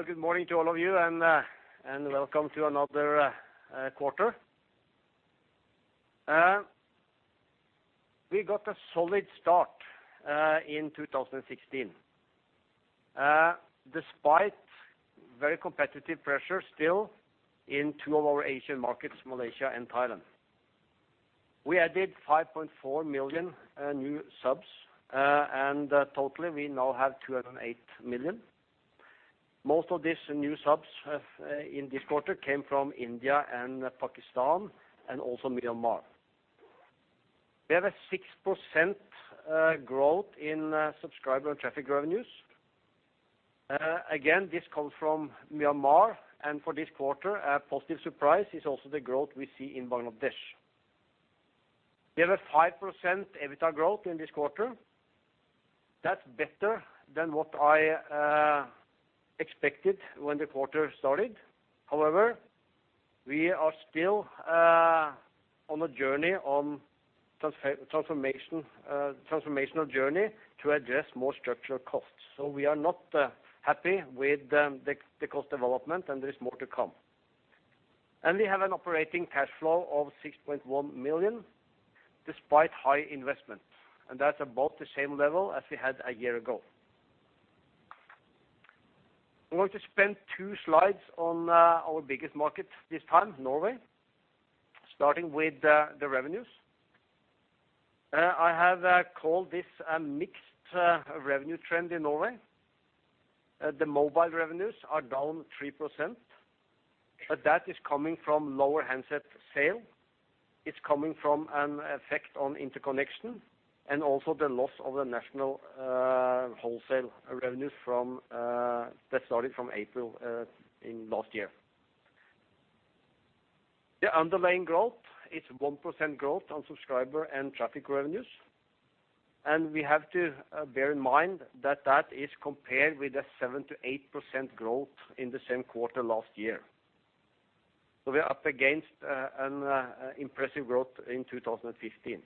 Well, good morning to all of you, and welcome to another quarter. We got a solid start in 2016, despite very competitive pressure still in two of our Asian markets, Malaysia and Thailand. We added 5.4 million new subs, and totally, we now have 208 million. Most of these new subs in this quarter came from India and Pakistan, and also Myanmar. We have a 6% growth in subscriber and traffic revenues. Again, this comes from Myanmar, and for this quarter, a positive surprise is also the growth we see in Bangladesh. We have a 5% EBITDA growth in this quarter. That's better than what I expected when the quarter started. However, we are still on a journey on transformational journey to address more structural costs. So we are not happy with the cost development, and there is more to come. We have an operating cash flow of 6.1 million, despite high investment, and that's about the same level as we had a year ago. I'm going to spend two slides on our biggest market this time, Norway, starting with the revenues. I have called this a mixed revenue trend in Norway. The mobile revenues are down 3%, but that is coming from lower handset sale. It's coming from an effect on interconnection, and also the loss of the national wholesale revenues from that started from April in last year. The underlying growth is 1% growth on subscriber and traffic revenues, and we have to bear in mind that that is compared with a 7%-8% growth in the same quarter last year. So we are up against an impressive growth in 2015.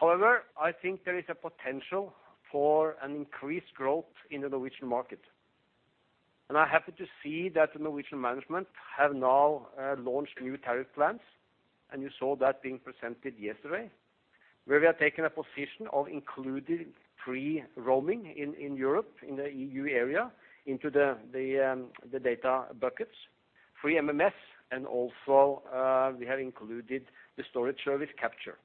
However, I think there is a potential for an increased growth in the Norwegian market, and I'm happy to see that the Norwegian management have now launched new tariff plans, and you saw that being presented yesterday. Where we are taking a position of including free roaming in Europe, in the EU area, into the data buckets, free MMS, and also, we have included the storage service Capture.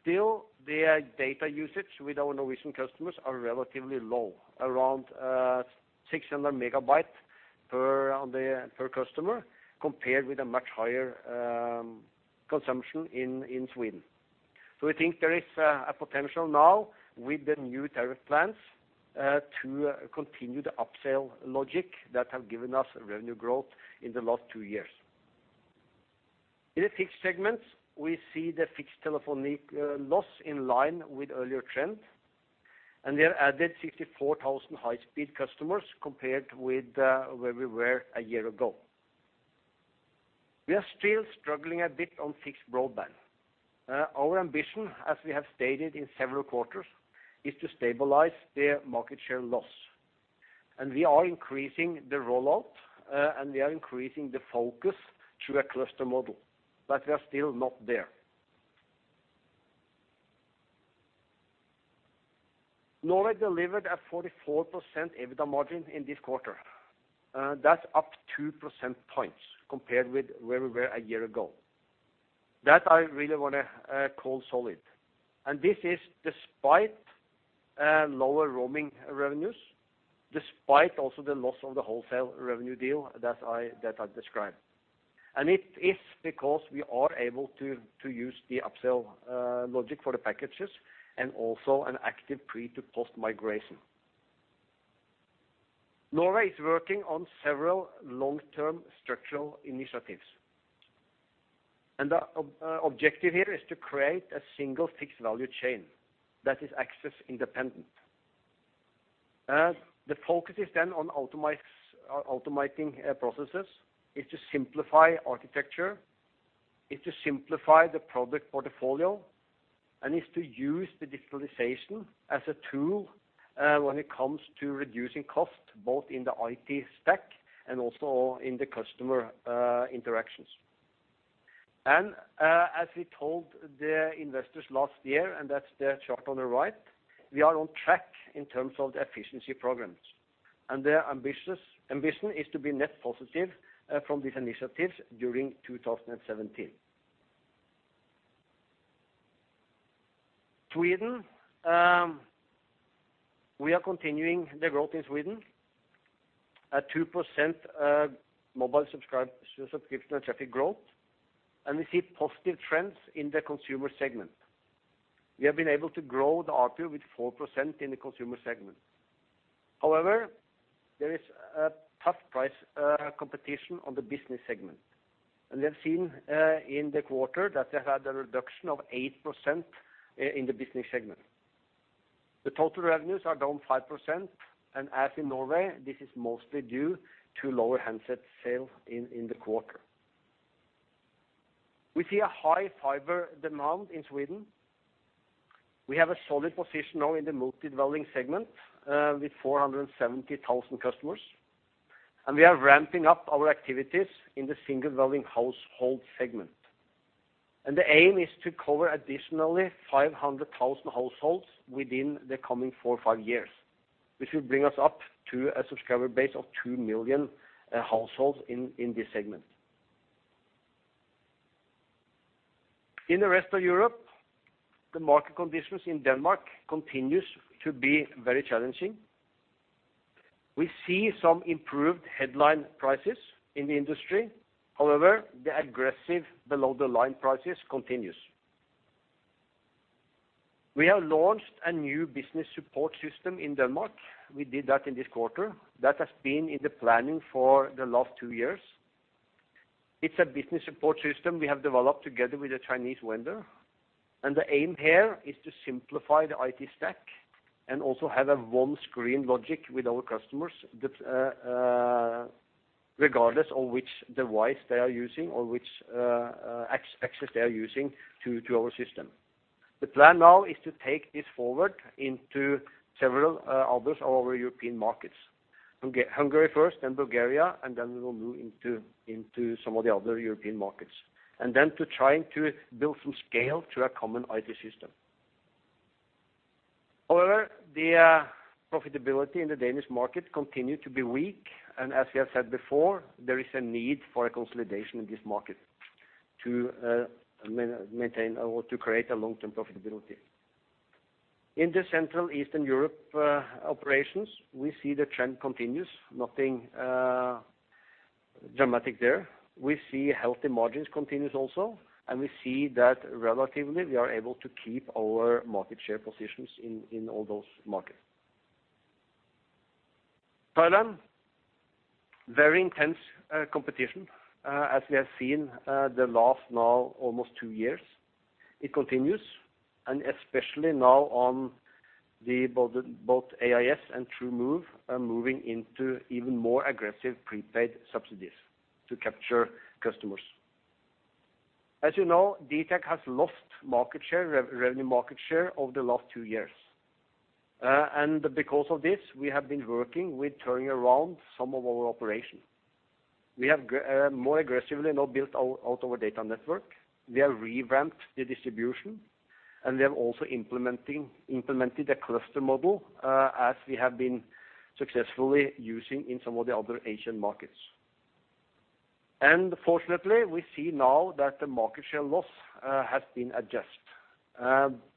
Still, the data usage with our Norwegian customers are relatively low, around 600 MB per customer, compared with a much higher consumption in Sweden. So we think there is a potential now with the new tariff plans to continue the upsell logic that have given us revenue growth in the last two years. In the fixed segments, we see the fixed telephony loss in line with earlier trend, and we have added 64,000 high-speed customers compared with where we were a year ago. We are still struggling a bit on fixed broadband. Our ambition, as we have stated in several quarters, is to stabilize the market share loss, and we are increasing the rollout and we are increasing the focus through a cluster model, but we are still not there. Norway delivered a 44% EBITDA margin in this quarter. That's up two percentage points compared with where we were a year ago. That I really wanna call solid, and this is despite lower roaming revenues, despite also the loss of the wholesale revenue deal that I, that I described. And it is because we are able to use the upsell logic for the packages and also an active pre to post-migration. Norway is working on several long-term structural initiatives, and the objective here is to create a single fixed value chain that is access independent. The focus is then on automate, automating processes, is to simplify architecture, is to simplify the product portfolio, and is to use the digitalization as a tool when it comes to reducing costs, both in the IT stack and also in the customer interactions. As we told the investors last year, and that's the chart on the right, we are on track in terms of the efficiency programs. The ambition is to be net positive from these initiatives during 2017. Sweden, we are continuing the growth in Sweden at 2% mobile subscription and traffic growth, and we see positive trends in the consumer segment. We have been able to grow the ARPU with 4% in the consumer segment. However, there is a tough price competition on the business segment, and we have seen in the quarter that they had a reduction of 8% in the business segment. The total revenues are down 5%, and as in Norway, this is mostly due to lower handset sale in the quarter. We see a high fiber demand in Sweden. We have a solid position now in the multi-dwelling segment with 470,000 customers, and we are ramping up our activities in the single-dwelling household segment. The aim is to cover additionally 500,000 households within the coming four or five years, which will bring us up to a subscriber base of 2 million households in this segment. In the rest of Europe, the market conditions in Denmark continue to be very challenging. We see some improved headline prices in the industry. However, the aggressive below-the-line prices continues. We have launched a new business support system in Denmark. We did that in this quarter. That has been in the planning for the last two years. It's a business support system we have developed together with a Chinese vendor, and the aim here is to simplify the IT stack and also have a one-screen logic with our customers that, regardless of which device they are using or which access they are using to our system. The plan now is to take this forward into several others of our European markets. Hungary first, then Bulgaria, and then we will move into some of the other European markets, and then to trying to build some scale to a common IT system. However, the profitability in the Danish market continued to be weak, and as we have said before, there is a need for a consolidation in this market to maintain or to create a long-term profitability. In the Central Eastern Europe operations, we see the trend continues, nothing dramatic there. We see healthy margins continues also, and we see that relatively we are able to keep our market share positions in all those markets. Thailand, very intense competition, as we have seen, the last now almost two years. It continues, and especially now on the both AIS and TrueMove are moving into even more aggressive prepaid subsidies to capture customers. As you know, dtac has lost market share, revenue market share over the last two years. And because of this, we have been working with turning around some of our operation. We have more aggressively now built out our data network. We have revamped the distribution, and we have also implemented a cluster model, as we have been successfully using in some of the other Asian markets. And fortunately, we see now that the market share loss has been adjusted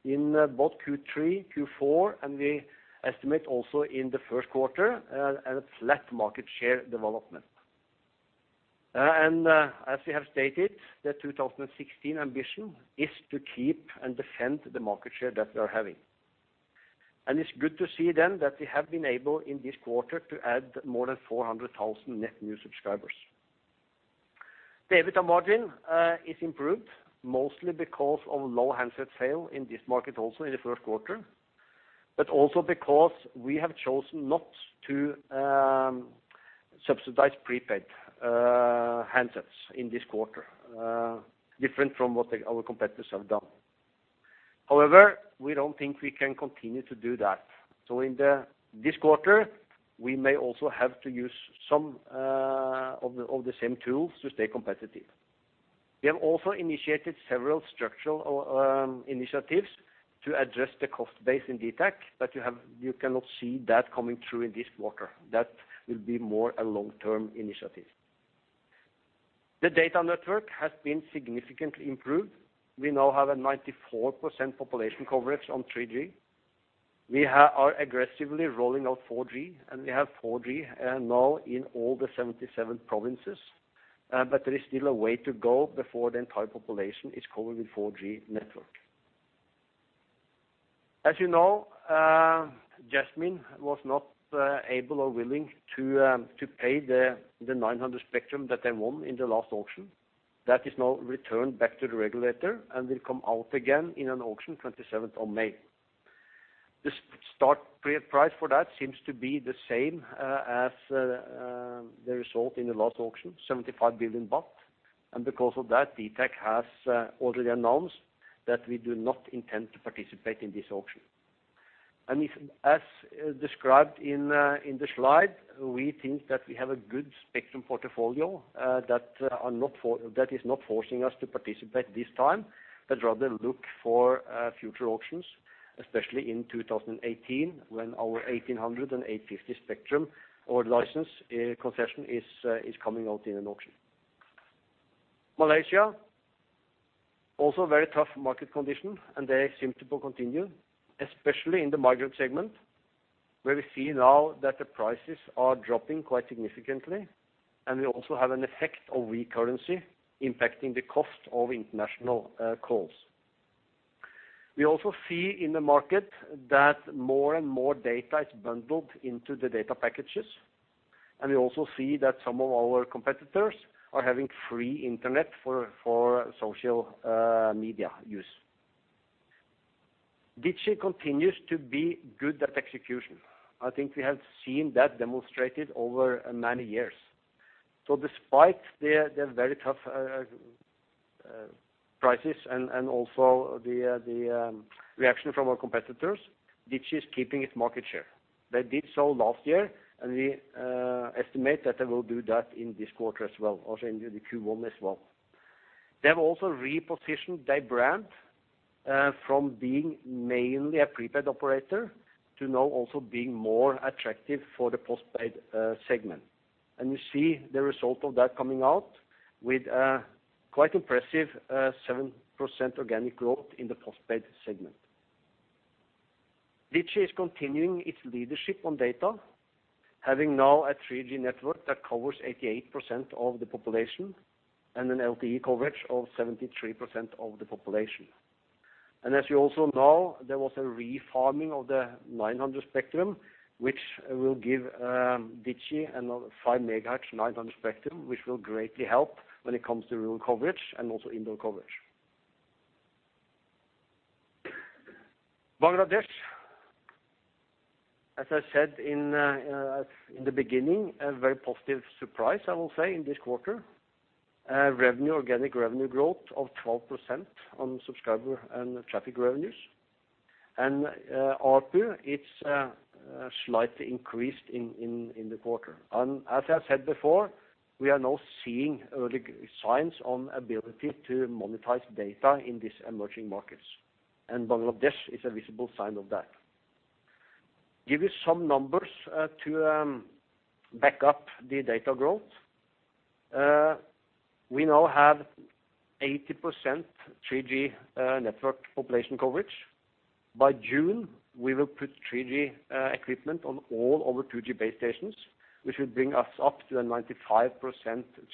in both Q3 and Q4, and we estimate also in the first quarter a flat market share development. As we have stated, the 2016 ambition is to keep and defend the market share that we are having. And it's good to see then that we have been able, in this quarter, to add more than 400,000 net new subscribers. The EBITDA margin is improved, mostly because of low handset sale in this market also in the first quarter, but also because we have chosen not to subsidize prepaid handsets in this quarter different from what our competitors have done. However, we don't think we can continue to do that. So in this quarter, we may also have to use some of the same tools to stay competitive. We have also initiated several structural initiatives to address the cost base in dtac, but you cannot see that coming through in this quarter. That will be more a long-term initiative. The data network has been significantly improved. We now have a 94% population coverage on 3G. We are aggressively rolling out 4G, and we have 4G now in all the 77 provinces, but there is still a way to go before the entire population is covered with 4G network. As you know, Jasmine was not able or willing to pay the 900 spectrum that they won in the last auction. That is now returned back to the regulator and will come out again in an auction 27th of May. The starting price for that seems to be the same as the result in the last auction, 75 billion baht, and because of that, dtac has already announced that we do not intend to participate in this auction. And if, as described in the slide, we think that we have a good spectrum portfolio, that is not forcing us to participate this time, but rather look for future auctions, especially in 2018, when our 1800 and 850 spectrum or license concession is coming out in an auction. Malaysia, also very tough market condition, and they seem to continue, especially in the migrant segment, where we see now that the prices are dropping quite significantly, and we also have an effect of weak currency impacting the cost of international calls. We also see in the market that more and more data is bundled into the data packages, and we also see that some of our competitors are having free internet for social media use. Digi continues to be good at execution. I think we have seen that demonstrated over many years. So despite the very tough prices and also the reaction from our competitors, Digi is keeping its market share. They did so last year, and we estimate that they will do that in this quarter as well, also in the Q1 as well. They have also repositioned their brand from being mainly a prepaid operator to now also being more attractive for the postpaid segment. And we see the result of that coming out with a quite impressive 7% organic growth in the postpaid segment. Digi is continuing its leadership on data, having now a 3G network that covers 88% of the population and an LTE coverage of 73% of the population. As you also know, there was a refarming of the 900 spectrum, which will give Digi another 5 MHz 900 spectrum, which will greatly help when it comes to rural coverage and also indoor coverage. Bangladesh, as I said in the beginning, a very positive surprise, I will say, in this quarter. Revenue, organic revenue growth of 12% on subscriber and traffic revenues. ARPU, it's slightly increased in the quarter. And as I said before, we are now seeing early signs on ability to monetize data in these emerging markets, and Bangladesh is a visible sign of that. Give you some numbers to back up the data growth. We now have 80% 3G network population coverage. By June, we will put 3G equipment on all our 2G base stations, which will bring us up to a 95%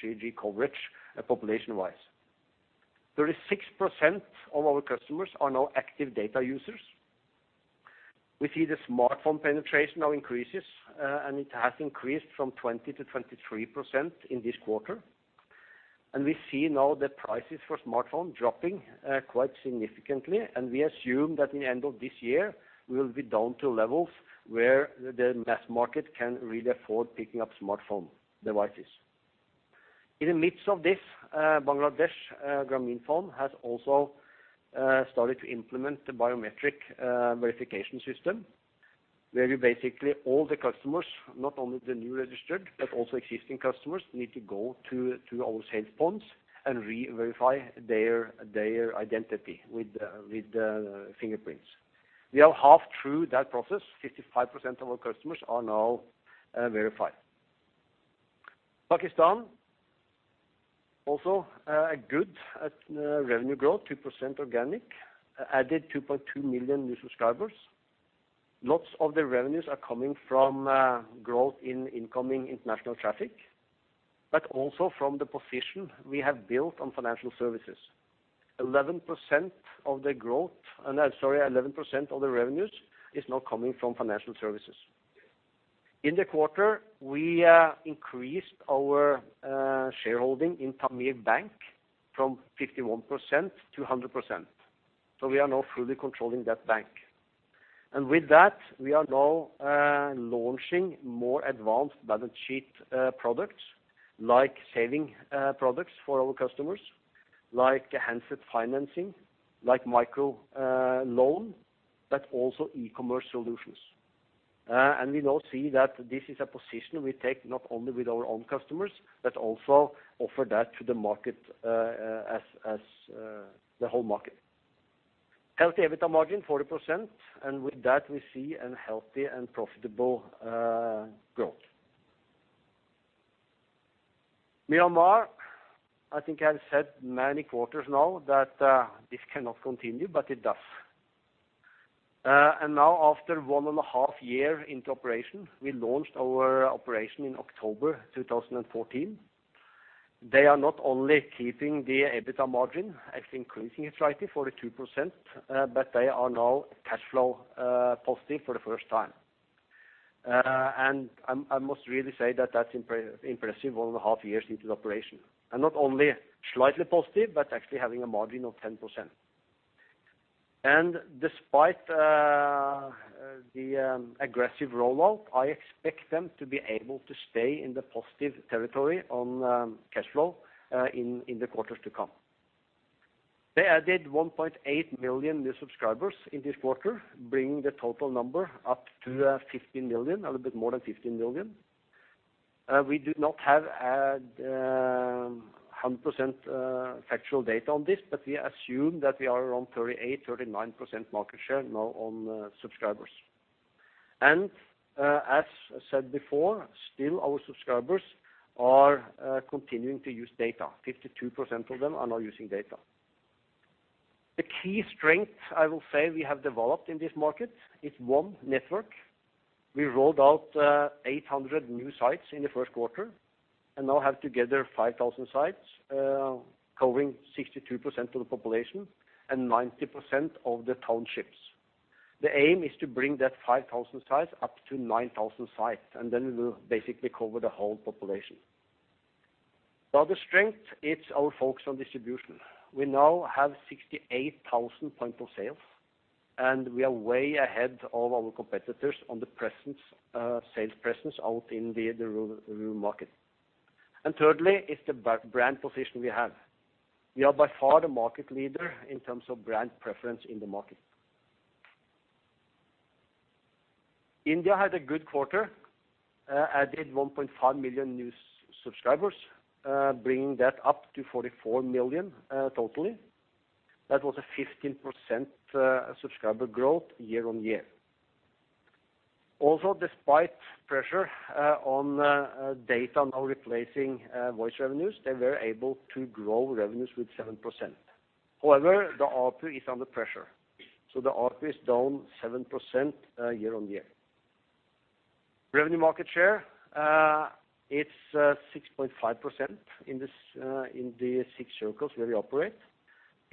3G coverage, population-wise. 36% of our customers are now active data users. We see the smartphone penetration now increases, and it has increased from 20% to 23% in this quarter. We see now the prices for smartphone dropping quite significantly, and we assume that in the end of this year, we will be down to levels where the mass market can really afford picking up smartphone devices. In the midst of this, Bangladesh, Grameenphone has also started to implement the biometric verification system, where basically all the customers, not only the new registered, but also existing customers, need to go to our sales points and re-verify their identity with the fingerprints. We are half through that process. 55% of our customers are now verified. Pakistan, also, a good at revenue growth, 2% organic, added 2.2 million new subscribers. Lots of the revenues are coming from growth in incoming international traffic, but also from the position we have built on financial services. 11% of the growth, and, sorry, 11% of the revenues is now coming from financial services. In the quarter, we increased our shareholding in Tameer Bank from 51% to 100%. So we are now fully controlling that bank. And with that, we are now launching more advanced balance sheet products, like saving products for our customers, like handset financing, like micro loan, but also e-commerce solutions. And we now see that this is a position we take not only with our own customers, but also offer that to the market, as the whole market. Healthy EBITDA margin, 40%, and with that we see a healthy and profitable growth. Myanmar, I think I have said many quarters now that this cannot continue, but it does. And now after one and a half years into operation, we launched our operation in October 2014. They are not only keeping the EBITDA margin, actually increasing it slightly, 42%, but they are now cash flow positive for the first time. And I must really say that that's impressive, one and a half years into the operation, and not only slightly positive, but actually having a margin of 10%. And despite the aggressive rollout, I expect them to be able to stay in the positive territory on cash flow in the quarters to come. They added 1.8 million new subscribers in this quarter, bringing the total number up to 15 million, a little bit more than 15 million. We do not have 100% factual data on this, but we assume that we are around 38%-39% market share now on subscribers. And as said before, still our subscribers are continuing to use data. 52% of them are now using data. The key strength, I will say, we have developed in this market is, one, network. We rolled out 800 new sites in the first quarter, and now have together 5,000 sites, covering 62% of the population and 90% of the townships. The aim is to bring that 5,000 sites up to 9,000 sites, and then we will basically cover the whole population. The other strength, it's our focus on distribution. We now have 68,000 point of sales, and we are way ahead of our competitors on the presence, sales presence out in the rural market. And thirdly, it's the brand position we have. We are by far the market leader in terms of brand preference in the market. India had a good quarter, added 1.5 million new subscribers, bringing that up to 44 million, totally. That was a 15% subscriber growth year-on-year. Also, despite pressure on data now replacing voice revenues, they were able to grow revenues with 7%. However, the ARPU is under pressure, so the ARPU is down 7% year-over-year. Revenue market share, it's 6.5% in the 6 circles where we operate.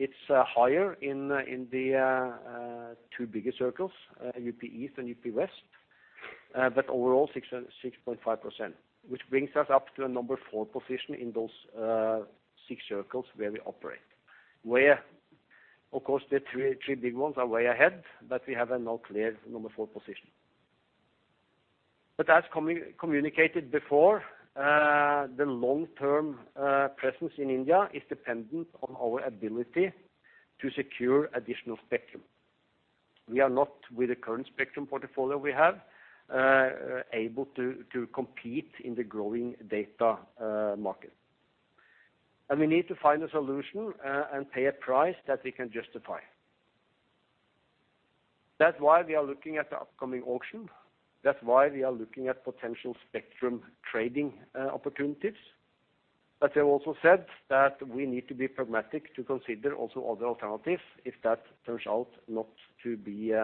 It's higher in the two bigger circles, UP East and UP West, but overall 6.5%, which brings us up to a number 4 position in those 6 circles where we operate. Where, of course, the three big ones are way ahead, but we have a now clear number 4 position. But as communicated before, the long-term presence in India is dependent on our ability to secure additional spectrum. We are not, with the current spectrum portfolio we have, able to compete in the growing data market. And we need to find a solution, and pay a price that we can justify. That's why we are looking at the upcoming auction. That's why we are looking at potential spectrum trading opportunities. But we have also said that we need to be pragmatic to consider also other alternatives, if that turns out not to be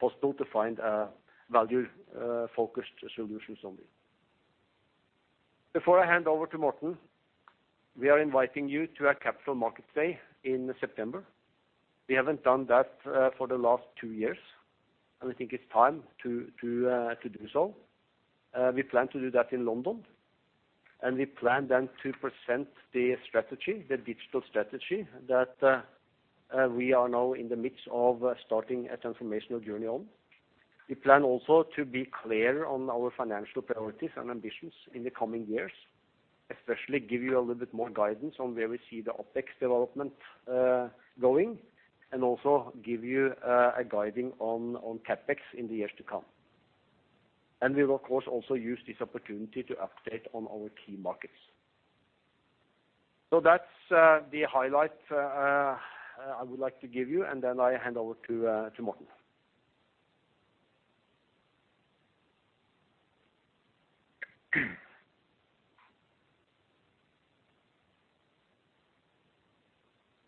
possible to find value focused solutions on it. Before I hand over to Morten, we are inviting you to our Capital Markets Day in September. We haven't done that for the last two years, and I think it's time to do so. We plan to do that in London, and we plan then to present the strategy, the digital strategy, that we are now in the midst of starting a transformational journey on. We plan also to be clear on our financial priorities and ambitions in the coming years, especially give you a little bit more guidance on where we see the OpEx development going, and also give you a guiding on CapEx in the years to come. And we will, of course, also use this opportunity to update on our key markets. So that's the highlight I would like to give you, and then I hand over to Morten.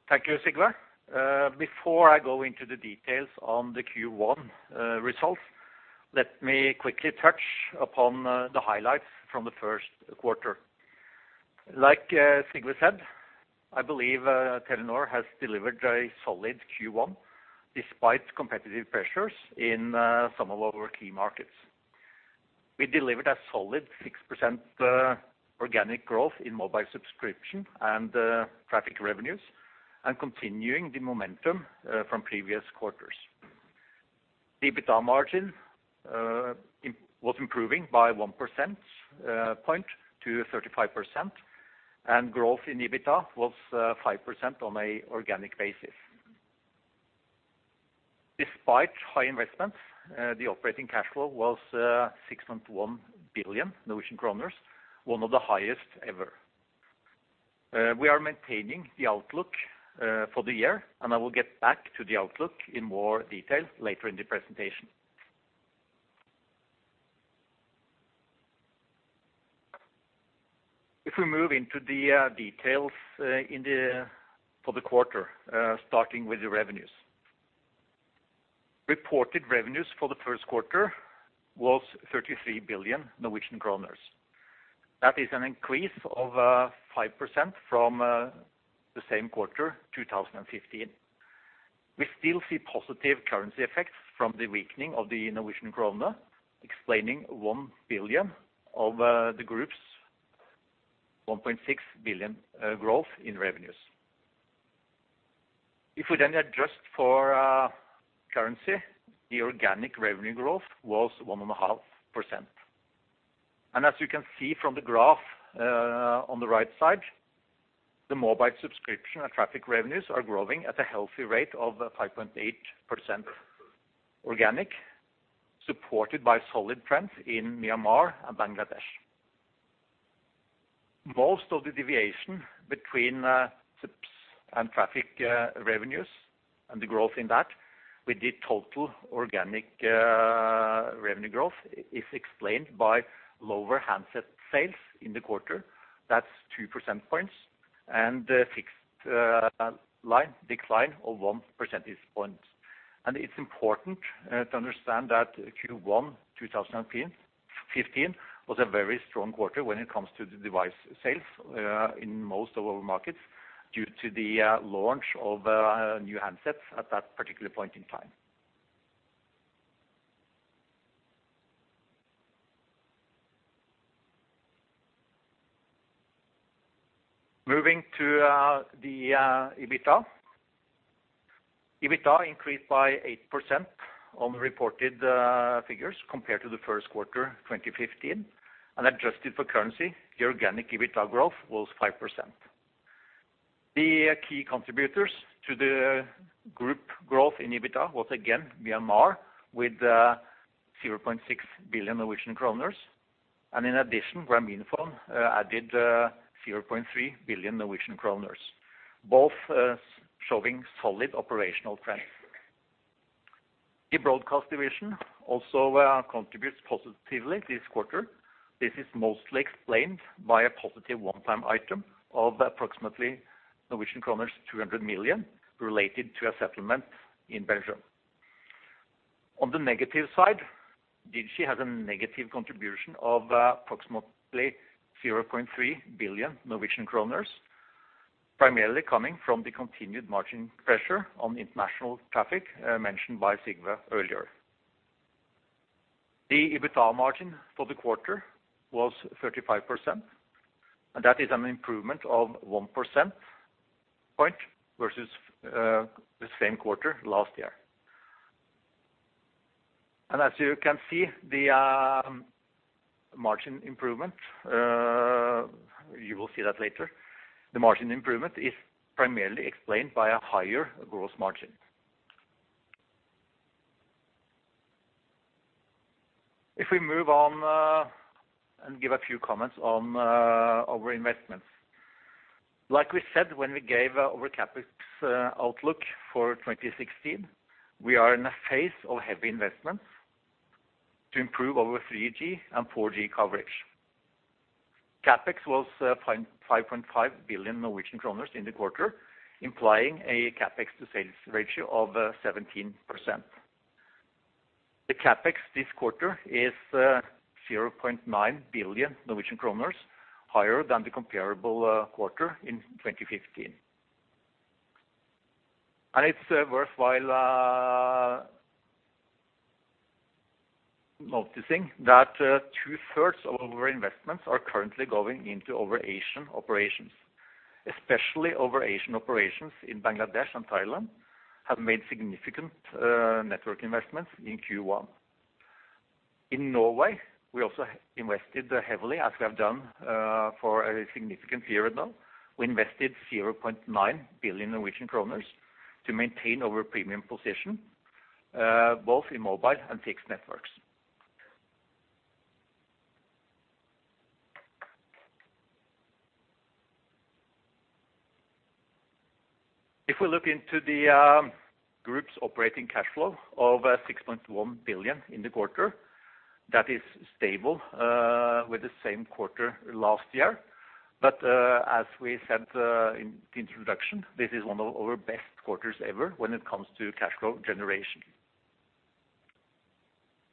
Thank you, Sigve. Before I go into the details on the Q1 results, let me quickly touch upon the highlights from the first quarter. Like Sigve said, I believe Telenor has delivered a solid Q1, despite competitive pressures in some of our key markets. We delivered a solid 6% organic growth in mobile subscription and traffic revenues, and continuing the momentum from previous quarters. EBITDA margin was improving by 1 percentage point to 35%, and growth in EBITDA was 5% on an organic basis. Despite high investments, the operating cash flow was 6.1 billion Norwegian kroner, one of the highest ever. We are maintaining the outlook for the year, and I will get back to the outlook in more detail later in the presentation. If we move into the details for the quarter, starting with the revenues. Reported revenues for the first quarter was 33 billion Norwegian kroner. That is an increase of 5% from the same quarter, 2015. We still see positive currency effects from the weakening of the Norwegian kroner, explaining 1 billion of the group's 1.6 billion growth in revenues. If we then adjust for currency, the organic revenue growth was 1.5%. And as you can see from the graph on the right side, the mobile subscription and traffic revenues are growing at a healthy rate of 5.8% organic, supported by solid trends in Myanmar and Bangladesh. Most of the deviation between subs and traffic revenues and the growth in that with the total organic revenue growth is explained by lower handset sales in the quarter. That's two percentage points, and a fixed line decline of one percentage point. It's important to understand that Q1 2015 was a very strong quarter when it comes to the device sales in most of our markets due to the launch of new handsets at that particular point in time.... Moving to the EBITDA. EBITDA increased by 8% on the reported figures compared to the first quarter 2015, and adjusted for currency, the organic EBITDA growth was 5%. The key contributors to the group growth in EBITDA was again Myanmar, with 0.6 billion Norwegian kroner, and in addition, Grameenphone added 0.3 billion Norwegian kroner, both showing solid operational trends. The broadcast division also contributes positively this quarter. This is mostly explained by a positive one-time item of approximately Norwegian kroner 200 million related to a settlement in Belgium. On the negative side, Digi has a negative contribution of approximately 0.3 billion Norwegian kroner, primarily coming from the continued margin pressure on international traffic mentioned by Sigve earlier. The EBITDA margin for the quarter was 35%, and that is an improvement of 1 percentage point versus the same quarter last year. And as you can see, the margin improvement you will see that later. The margin improvement is primarily explained by a higher gross margin. If we move on and give a few comments on our investments. Like we said, when we gave our CapEx outlook for 2016, we are in a phase of heavy investments to improve our 3G and 4G coverage. CapEx was 5.5 billion Norwegian kroner in the quarter, implying a CapEx to sales ratio of 17%. The CapEx this quarter is 0.9 billion Norwegian kroner, higher than the comparable quarter in 2015. And it's worthwhile noticing that two-thirds of our investments are currently going into our Asian operations. Especially our Asian operations in Bangladesh and Thailand have made significant network investments in Q1. In Norway, we also invested heavily, as we have done for a significant period now. We invested 0.9 billion Norwegian kroner to maintain our premium position, both in mobile and fixed networks. If we look into the group's operating cash flow of 6.1 billion in the quarter, that is stable, with the same quarter last year. But as we said in the introduction, this is one of our best quarters ever when it comes to cash flow generation.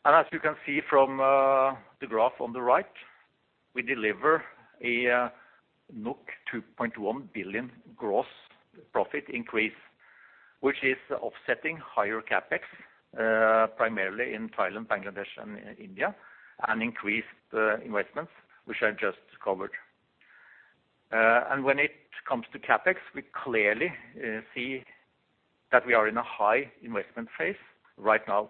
And as you can see from the graph on the right, we deliver a 2.1 billion gross profit increase, which is offsetting higher CapEx, primarily in Thailand, Bangladesh, and India, and increased investments, which I just covered. And when it comes to CapEx, we clearly see that we are in a high investment phase right now,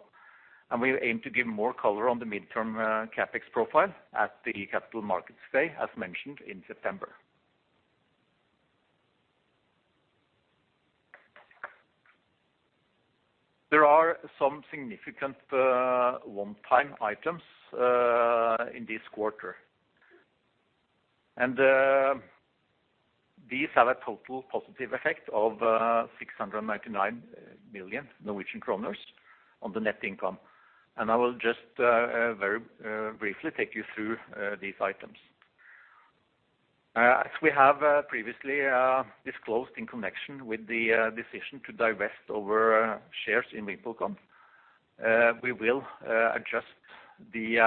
and we aim to give more color on the midterm CapEx profile at the Capital Markets Day, as mentioned, in September. There are some significant one-time items in this quarter, and these have a total positive effect of 699 million Norwegian kroner on the net income. And I will just very briefly take you through these items. As we have previously disclosed in connection with the decision to divest our shares in VimpelCom, we will adjust the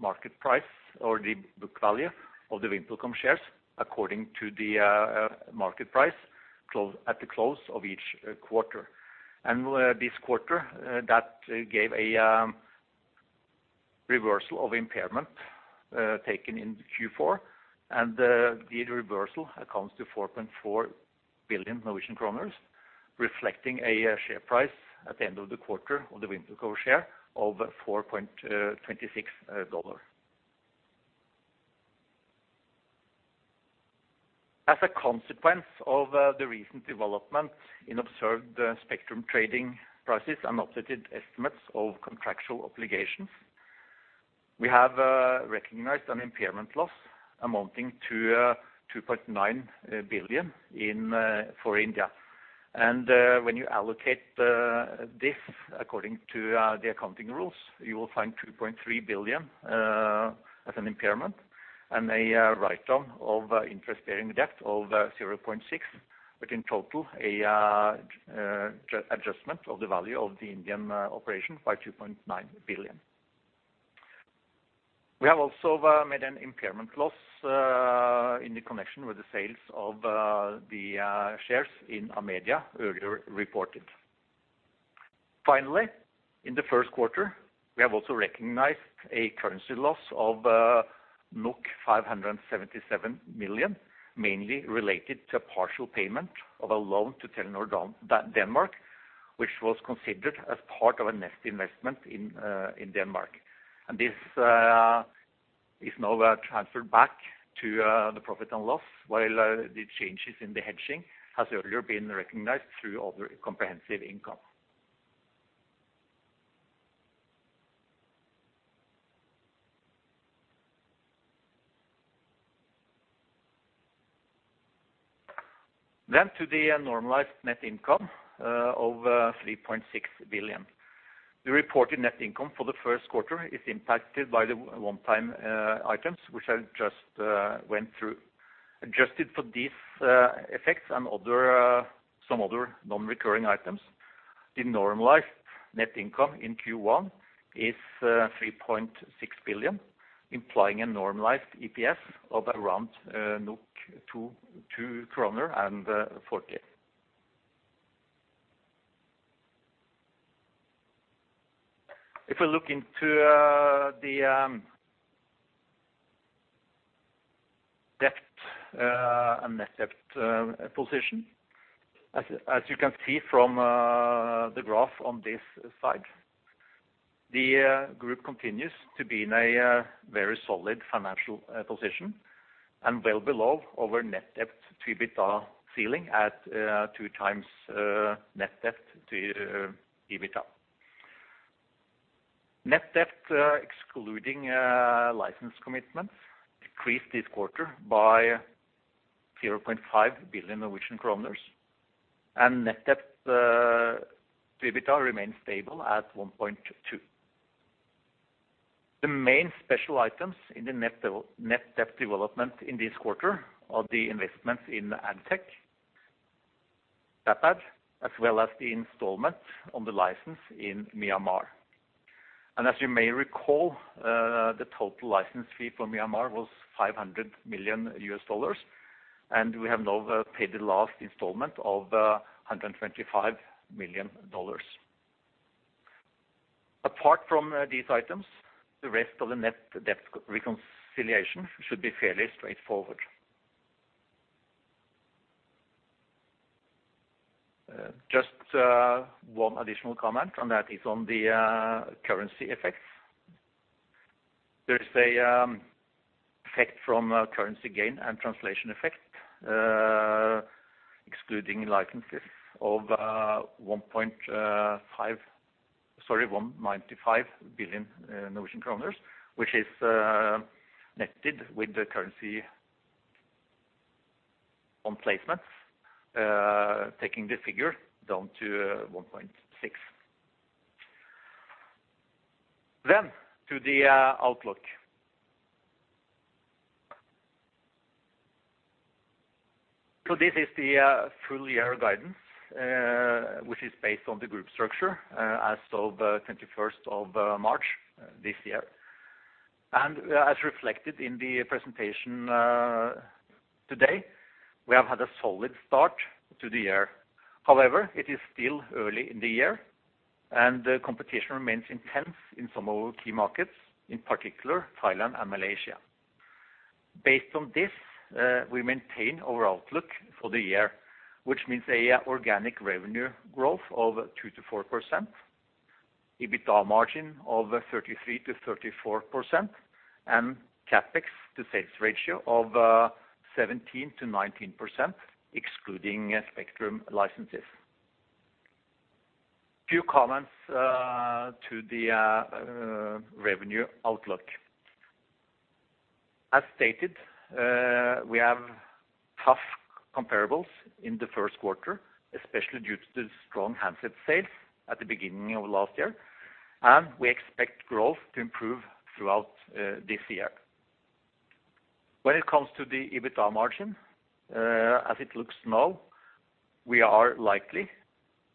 market price or the book value of the VimpelCom shares according to the market price at the close of each quarter. This quarter, that gave a reversal of impairment taken in Q4, and the reversal accounts to 4.4 billion Norwegian kroner, reflecting a share price at the end of the quarter of the VimpelCom share of $4.26. As a consequence of the recent development in observed spectrum trading prices and updated estimates of contractual obligations, we have recognized an impairment loss amounting to 2.9 billion NOK for India. When you allocate this according to the accounting rules, you will find 2.3 billion NOK as an impairment and a write-down of interest-bearing debt of 0.6 billion NOK, but in total, an adjustment of the value of the Indian operation by 2.9 billion NOK. We have also made an impairment loss in connection with the sales of the shares in Amedia earlier reported. Finally, in the first quarter, we have also recognized a currency loss of 577 million, mainly related to a partial payment of a loan to Telenor Denmark, which was considered as part of a net investment in Denmark. And this is now transferred back to the profit and loss, while the changes in the hedging has earlier been recognized through other comprehensive income. Then to the normalized net income of 3.6 billion. The reported net income for the first quarter is impacted by the one-time items, which I just went through. Adjusted for these effects and other some other non-recurring items, the normalized net income in Q1 is 3.6 billion, implying a normalized EPS of around 2.40. If we look into the debt and net debt position, as you can see from the graph on this slide, the group continues to be in a very solid financial position, and well below our net debt to EBITDA ceiling at 2x net debt to EBITDA. Net debt excluding license commitments decreased this quarter by 0.5 billion Norwegian kroners, and net debt to EBITDA remains stable at 1.2. The main special items in the net debt development in this quarter are the investments in ad tech, Tapad, as well as the installment on the license in Myanmar. As you may recall, the total license fee for Myanmar was $500 million, and we have now paid the last installment of $125 million. Apart from these items, the rest of the net debt reconciliation should be fairly straightforward. Just one additional comment, and that is on the currency effects. There is a effect from currency gain and translation effect, excluding license fees of 1.95 billion Norwegian kroner, which is netted with the currency on placements, taking the figure down to 1.6 billion. Then to the outlook. So this is the full year guidance, which is based on the group structure as of 21st of March this year. As reflected in the presentation today, we have had a solid start to the year. However, it is still early in the year, and the competition remains intense in some of our key markets, in particular, Thailand and Malaysia. Based on this, we maintain our outlook for the year, which means an organic revenue growth of 2%-4%, EBITDA margin of 33%-34%, and CapEx to sales ratio of 17%-19%, excluding spectrum licenses. Few comments to the revenue outlook. As stated, we have tough comparables in the first quarter, especially due to the strong handset sales at the beginning of last year, and we expect growth to improve throughout this year. When it comes to the EBITDA margin, as it looks now, we are likely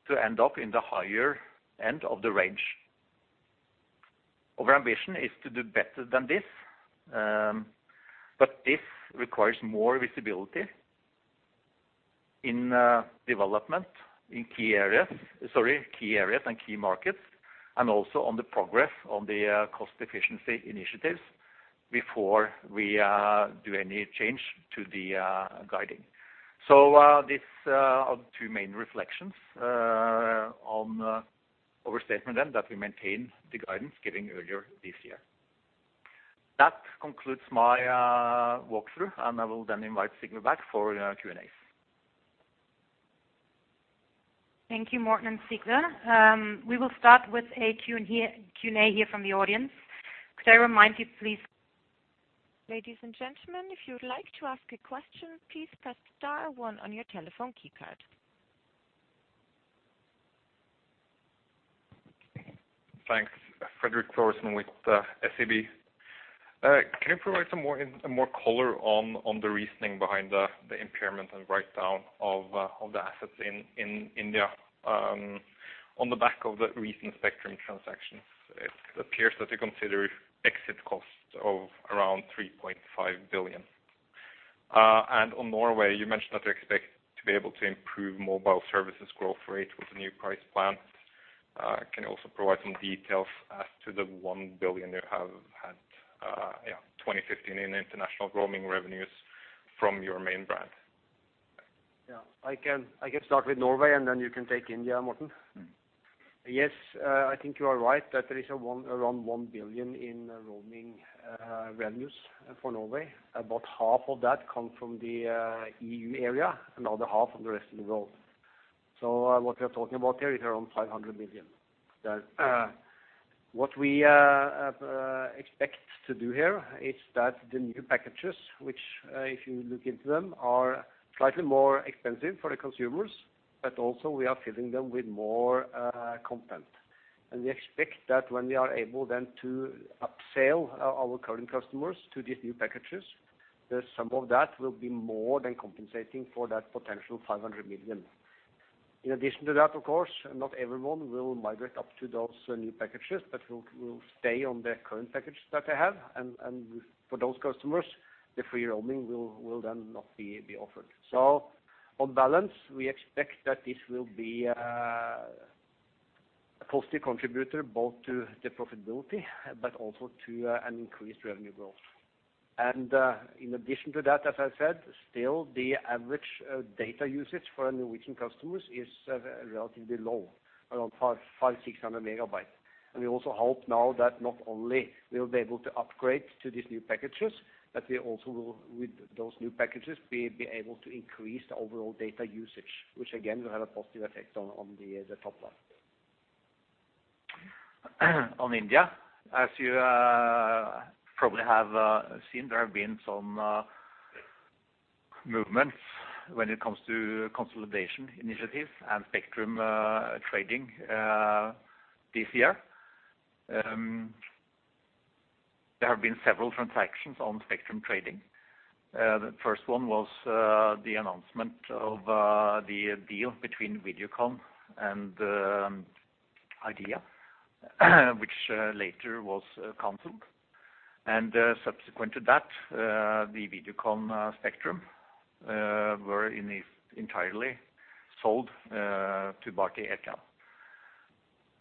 to end up in the higher end of the range. Our ambition is to do better than this, but this requires more visibility in development in key areas and key markets, and also on the progress on the cost efficiency initiatives before we do any change to the guiding. So, this are the two main reflections on our statement, and that we maintain the guidance given earlier this year. That concludes my walkthrough, and I will then invite Sigve back for Q&As. Thank you, Morten and Sigve. We will start with a Q and Q&A here from the audience. Could I remind you, please- Ladies and gentlemen, if you'd like to ask a question, please press star one on your telephone keypad. Thanks. Fredrik Thoresen with SEB. Can you provide some more in, more color on the reasoning behind the impairment and write-down of the assets in India on the back of the recent spectrum transaction? It appears that you consider exit costs of around 3.5 billion... and on Norway, you mentioned that you expect to be able to improve mobile services growth rate with the new price plan. Can you also provide some details as to the 1 billion you have had, yeah, 2015 in international roaming revenues from your main brand? Yeah, I can, I can start with Norway, and then you can take India, Morten. Yes, I think you are right, that there is around 1 billion in roaming revenues for Norway. About half of that come from the EU area, another half from the rest of the world. So what we are talking about here is around 500 million. That what we expect to do here is that the new packages, which if you look into them, are slightly more expensive for the consumers, but also we are filling them with more content. And we expect that when we are able then to up-sell our our current customers to these new packages, that some of that will be more than compensating for that potential 500 million. In addition to that, of course, not everyone will migrate up to those new packages, but will stay on their current package that they have, and for those customers, the free roaming will then not be offered. So on balance, we expect that this will be a positive contributor both to the profitability, but also to an increased revenue growth. And in addition to that, as I said, still the average data usage for our Norwegian customers is relatively low, around 500-600 MB. And we also hope now that not only we'll be able to upgrade to these new packages, that we also will, with those new packages, be able to increase the overall data usage, which again will have a positive effect on the top line. On India, as you probably have seen, there have been some movements when it comes to consolidation initiatives and spectrum trading this year. There have been several transactions on spectrum trading. The first one was the announcement of the deal between Videocon and Idea, which later was canceled. Subsequent to that, the Videocon spectrum were entirely sold to Bharti Airtel.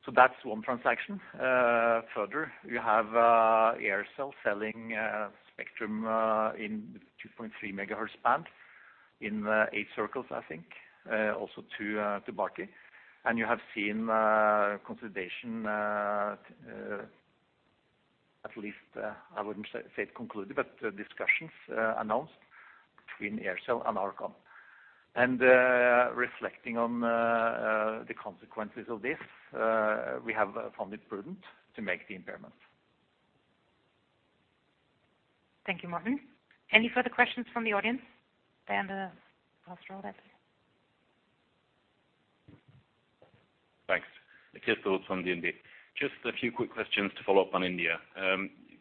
So that's one transaction. Further, you have Aircel selling spectrum in 2.3 megahertz band in 8 circles, I think, also to Bharti. You have seen consolidation, at least, I wouldn't say it concluded, but discussions announced between Aircel and RCom. Reflecting on the consequences of this, we have found it prudent to make the impairment. Thank you, Morten. Any further questions from the audience? Then the last round, please. Thanks. Niklas Heiberg from DNB. Just a few quick questions to follow up on India.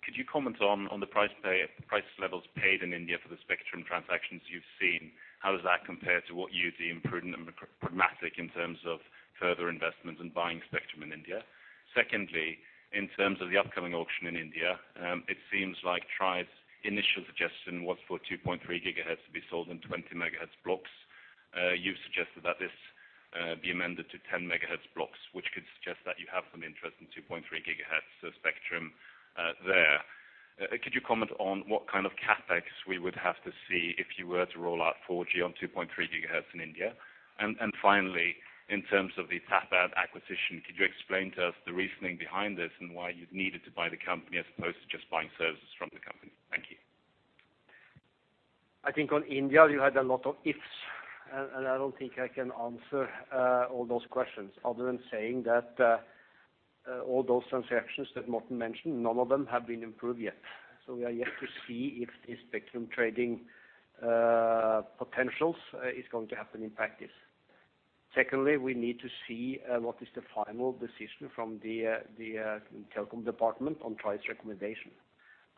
Could you comment on the price paid, price levels paid in India for the spectrum transactions you've seen? How does that compare to what you deem prudent and pragmatic in terms of further investments and buying spectrum in India? Secondly, in terms of the upcoming auction in India, it seems like TRAI's initial suggestion was for 2.3 gigahertz to be sold in 20 megahertz blocks. You've suggested that this be amended to 10 megahertz blocks, which could suggest that you have some interest in 2.3 gigahertz of spectrum there. Could you comment on what kind of CapEx we would have to see if you were to roll out 4G on 2.3 gigahertz in India? Finally, in terms of the Tapad acquisition, could you explain to us the reasoning behind this and why you needed to buy the company as opposed to just buying services from the company? Thank you. I think on India, you had a lot of ifs, and, and I don't think I can answer all those questions other than saying that, all those transactions that Morten mentioned, none of them have been improved yet. So we are yet to see if the spectrum trading potentials is going to happen in practice. Secondly, we need to see what is the final decision from the the telecom department on TRAI's recommendation.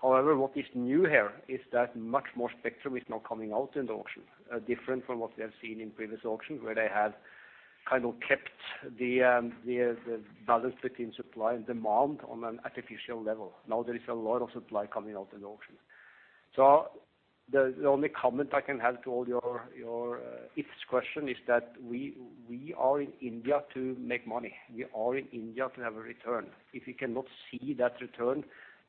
However, what is new here is that much more spectrum is now coming out in the auction, different from what we have seen in previous auctions, where they have kind of kept the balance between supply and demand on an artificial level. Now there is a lot of supply coming out in the auction. So the only comment I can have to all your if's question is that we are in India to make money. We are in India to have a return. If we cannot see that return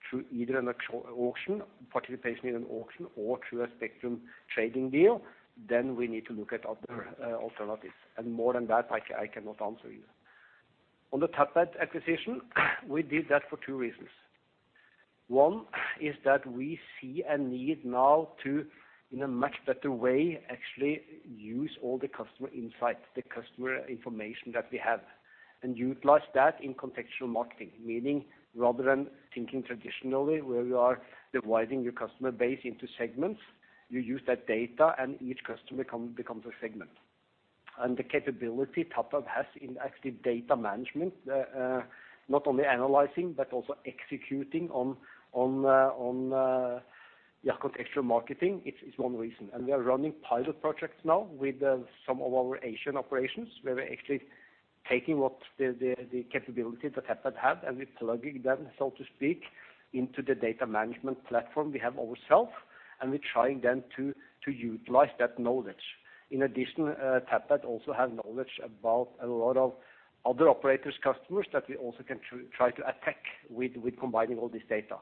through either an auction, participation in an auction or through a spectrum trading deal, then we need to look at other alternatives, and more than that, I cannot answer you. On the Tapad acquisition, we did that for two reasons. One is that we see a need now to, in a much better way, actually use all the customer insights, the customer information that we have, and utilize that in contextual marketing. Meaning, rather than thinking traditionally, where you are dividing your customer base into segments, you use that data, and each customer becomes a segment. The capability Tapad has in active data management, not only analyzing, but also executing on contextual marketing, it is one reason. We are running pilot projects now with some of our Asian operations, where we actually taking what the capability that Tapad have, and we're plugging them, so to speak, into the data management platform we have ourself, and we're trying then to utilize that knowledge. In addition, Tapad also have knowledge about a lot of other operators' customers that we also can try to attack with combining all this data.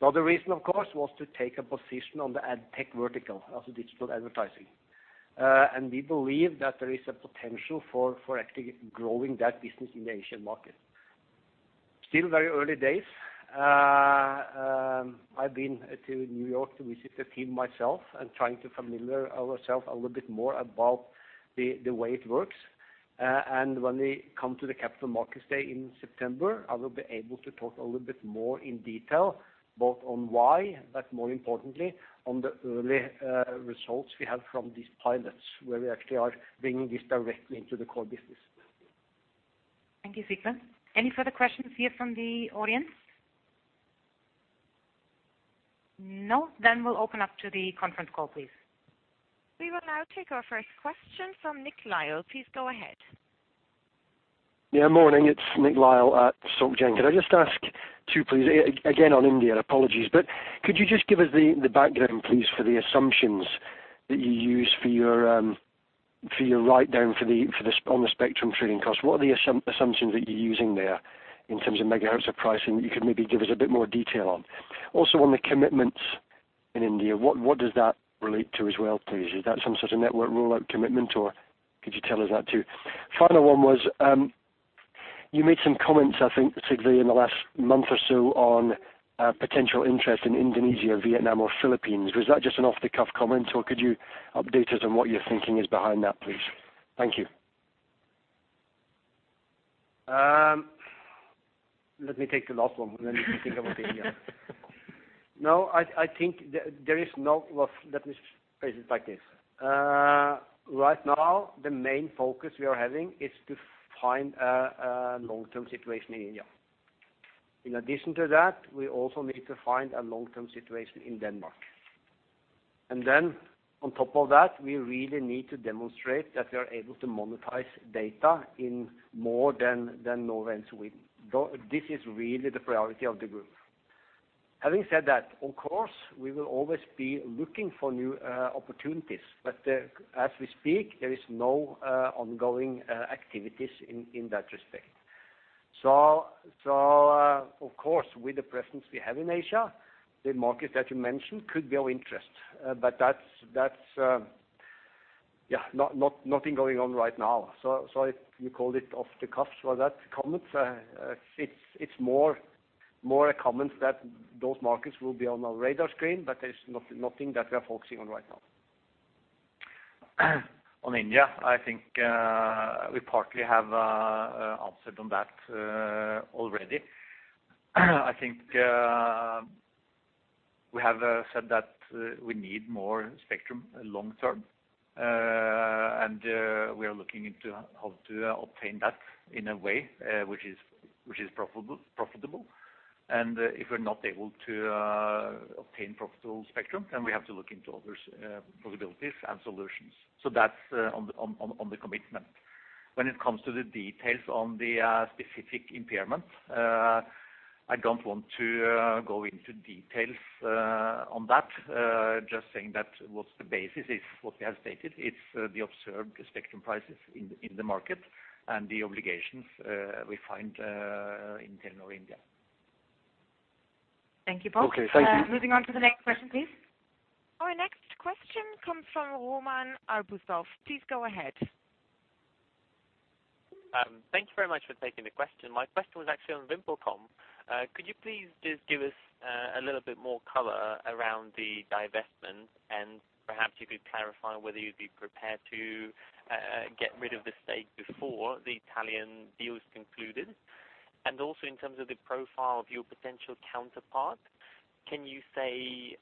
The other reason, of course, was to take a position on the ad tech vertical of the digital advertising. We believe that there is a potential for actually growing that business in the Asian market. Still very early days. I've been to New York to visit the team myself and trying to familiar ourself a little bit more about the way it works. And when we come to the capital markets day in September, I will be able to talk a little bit more in detail, both on why, but more importantly, on the early results we have from these pilots, where we actually are bringing this directly into the core business. Thank you, Sigve. Any further questions here from the audience? No, then we'll open up to the conference call, please. We will now take our first question from Nick Lyle. Please go ahead. Yeah, morning, it's Nick Lyall at Soc Gen. Could I just ask two, please? Again, on India, apologies, but could you just give us the background, please, for the assumptions that you used for your write-down for the on the spectrum trading cost? What are the assumptions that you're using there in terms of megahertz of pricing, that you could maybe give us a bit more detail on? Also, on the commitments in India, what does that relate to as well, please? Is that some sort of network rollout commitment, or could you tell us that too? Final one was, you made some comments, I think, Sigve, in the last month or so on potential interest in Indonesia, Vietnam, or Philippines. Was that just an off-the-cuff comment, or could you update us on what your thinking is behind that, please? Thank you. Let me take the last one, and then we can think about India. No, I think there is no, well, let me phrase it like this. Right now, the main focus we are having is to find a long-term situation in India. In addition to that, we also need to find a long-term situation in Denmark. And then on top of that, we really need to demonstrate that we are able to monetize data in more than Norway and Sweden. Though this is really the priority of the group. Having said that, of course, we will always be looking for new opportunities, but as we speak, there is no ongoing activities in that respect. So, of course, with the presence we have in Asia, the market that you mentioned could be of interest, but that's yeah, nothing going on right now. So, if you call it off the cuff, well, that comment, it's more a comment that those markets will be on our radar screen, but there's nothing that we are focusing on right now. On India, I think we partly have answered on that already. I think we have said that we need more spectrum long term, and we are looking into how to obtain that in a way which is profitable. And if we're not able to obtain profitable spectrum, then we have to look into other probabilities and solutions. So that's on the commitment. When it comes to the details on the specific impairment, I don't want to go into details on that. Just saying that what's the basis is what we have stated, it's the observed spectrum prices in the market and the obligations we find in Telenor India. Thank you, both. Okay, thank you. Moving on to the next question, please. Our next question comes from Roman Arbuzov. Please go ahead. Thank you very much for taking the question. My question was actually on VimpelCom. Could you please just give us a little bit more color around the divestment, and perhaps you could clarify whether you'd be prepared to get rid of the stake before the Italian deal is concluded? And also, in terms of the profile of your potential counterpart, can you say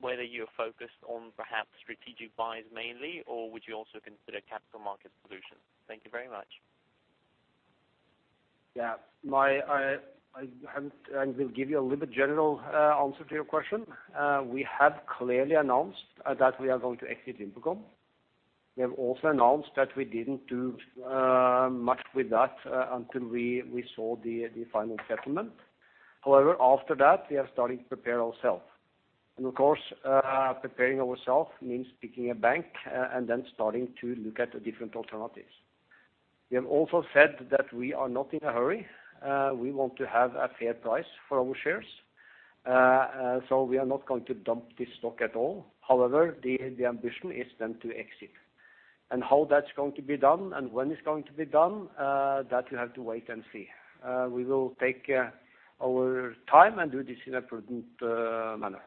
whether you're focused on perhaps strategic buyers mainly, or would you also consider capital market solutions? Thank you very much. I will give you a little bit general answer to your question. We have clearly announced that we are going to exit VimpelCom. We have also announced that we didn't do much with that until we saw the final settlement. However, after that, we have started to prepare ourselves. And of course, preparing ourselves means picking a bank and then starting to look at the different alternatives. We have also said that we are not in a hurry. We want to have a fair price for our shares, so we are not going to dump this stock at all. However, the ambition is then to exit. And how that's going to be done and when it's going to be done, that you have to wait and see. We will take our time and do this in a prudent manner.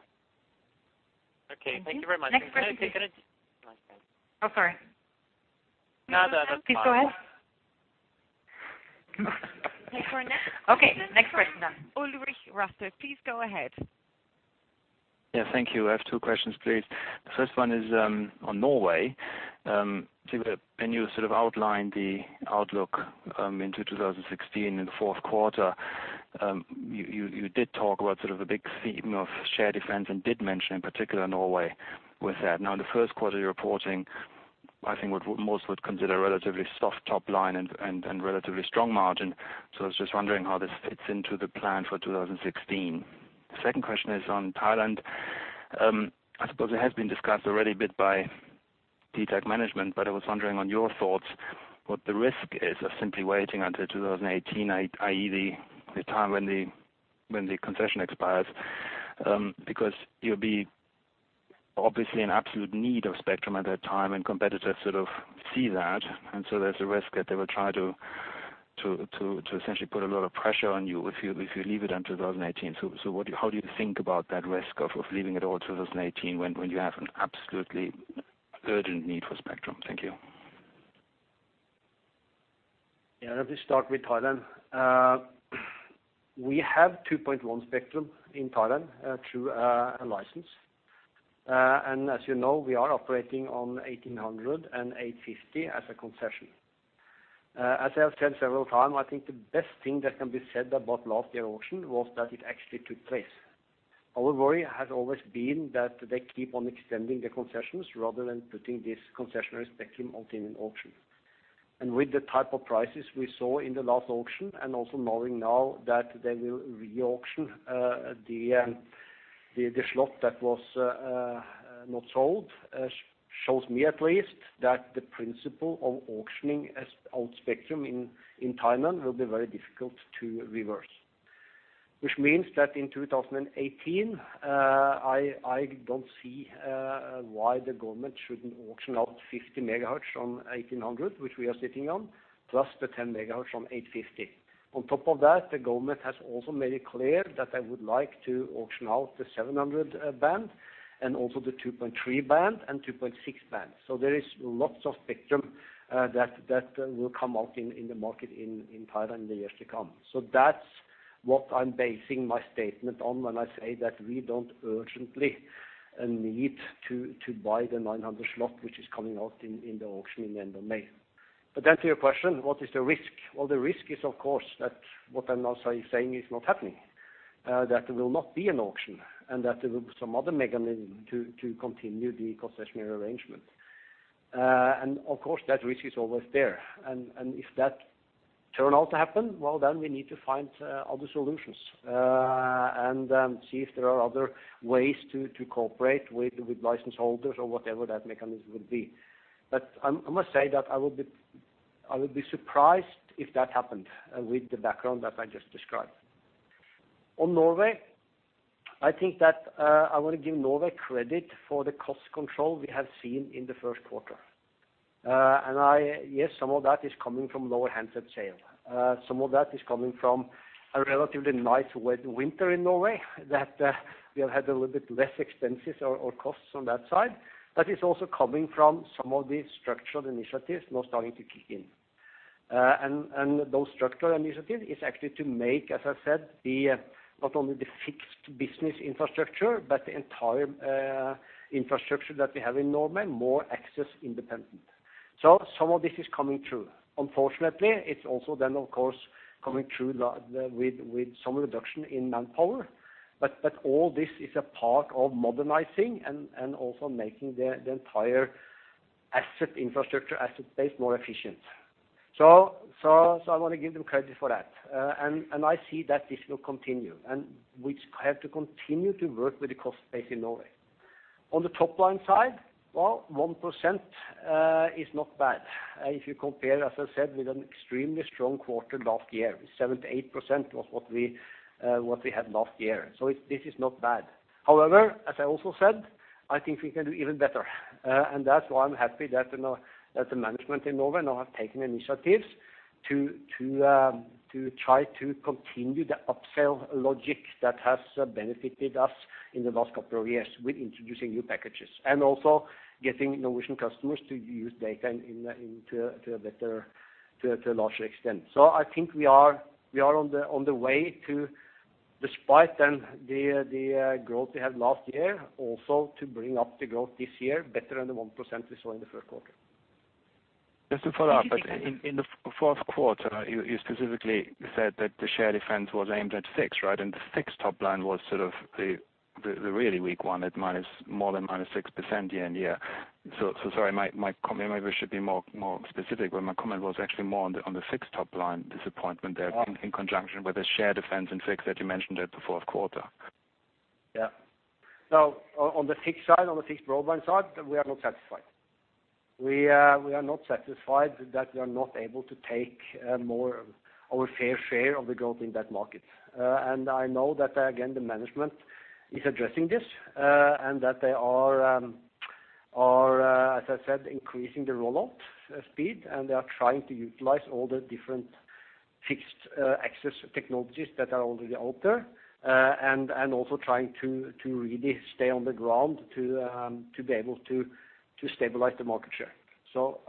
Okay. Thank you very much. Next question. Can I take an... Oh, sorry. No, no, that's fine. Please go ahead. Okay, our next question- Okay, next question. Ulrich Rathe, please go ahead. Yeah, thank you. I have two questions, please. The first one is, on Norway. Sigve, can you sort of outline the outlook, into 2016 in the fourth quarter? You did talk about sort of a big theme of share defense and did mention in particular Norway with that. Now, in the first quarter, you're reporting, I think what most would consider a relatively soft top line and relatively strong margin. So I was just wondering how this fits into the plan for 2016. The second question is on Thailand. I suppose it has been discussed already a bit by dtac management, but I was wondering on your thoughts, what the risk is of simply waiting until 2018, i.e., the time when the concession expires? Because you'll be obviously in absolute need of spectrum at that time, and competitors sort of see that, and so there's a risk that they will try to essentially put a lot of pressure on you if you leave it until 2018. So, how do you think about that risk of leaving it all to 2018 when you have an absolutely urgent need for spectrum? Thank you. Yeah, let me start with Thailand. We have 2.1 spectrum in Thailand, through a license. And as you know, we are operating on 1800 and 850 as a concession. As I have said several times, I think the best thing that can be said about last year's auction was that it actually took place. Our worry has always been that they keep on extending the concessions rather than putting this concessionary spectrum out in an auction. And with the type of prices we saw in the last auction, and also knowing now that they will re-auction the slot that was not sold, shows me at least that the principle of auctioning old spectrum in Thailand will be very difficult to reverse. Which means that in 2018, I don't see why the government shouldn't auction out 50 megahertz on 1800, which we are sitting on, plus the 10 megahertz on 850. On top of that, the government has also made it clear that they would like to auction out the 700 band and also the 2.3 band and 2.6 band. So there is lots of spectrum that will come out in the market in Thailand in the years to come. So that's what I'm basing my statement on when I say that we don't urgently need to buy the 900 slot, which is coming out in the auction in the end of May. But then to your question, what is the risk? Well, the risk is, of course, that what I'm now saying is not happening, that there will not be an auction, and that there will be some other mechanism to continue the concessionary arrangement. And of course, that risk is always there, and if that turn out to happen, well, then we need to find other solutions, and see if there are other ways to cooperate with license holders or whatever that mechanism would be. But I must say that I would be surprised if that happened, with the background that I just described. On Norway, I think that I want to give Norway credit for the cost control we have seen in the first quarter. And yes, some of that is coming from lower handset sale. Some of that is coming from a relatively nice winter in Norway, that we have had a little bit less expenses or costs on that side. That is also coming from some of the structural initiatives now starting to kick in. And those structural initiatives is actually to make, as I said, the not only the fixed business infrastructure, but the entire infrastructure that we have in Norway, more access independent. So some of this is coming true. Unfortunately, it's also then, of course, coming true with some reduction in manpower, but all this is a part of modernizing and also making the entire asset infrastructure, asset base, more efficient. So I want to give them credit for that. I see that this will continue, and we have to continue to work with the cost base in Norway. On the top line side, well, 1% is not bad. If you compare, as I said, with an extremely strong quarter last year, 7%-8% was what we had last year, so this is not bad. However, as I also said, I think we can do even better, and that's why I'm happy that the management in Norway now have taken initiatives to try to continue the upsell logic that has benefited us in the last couple of years with introducing new packages, and also getting Norwegian customers to use data in to a better to a larger extent. So I think we are on the way to, despite the growth we had last year, also to bring up the growth this year better than the 1% we saw in the first quarter. Just to follow up, but in the fourth quarter, you specifically said that the share defense was aimed at fixed, right? And the fixed top line was sort of the really weak one at minus, more than minus 6% year-on-year. So sorry, my comment maybe should be more specific, but my comment was actually more on the fixed top line disappointment there in conjunction with the share defense and fixed that you mentioned at the fourth quarter. Yeah. So on, on the fixed side, on the fixed broadband side, we are not satisfied. We are, we are not satisfied that we are not able to take more of our fair share of the growth in that market. And I know that, again, the management is addressing this, and that they are, are, as I said, increasing the rollout speed, and they are trying to utilize all the different fixed access technologies that are already out there, and also trying to really stay on the ground to, to be able to stabilize the market share. So,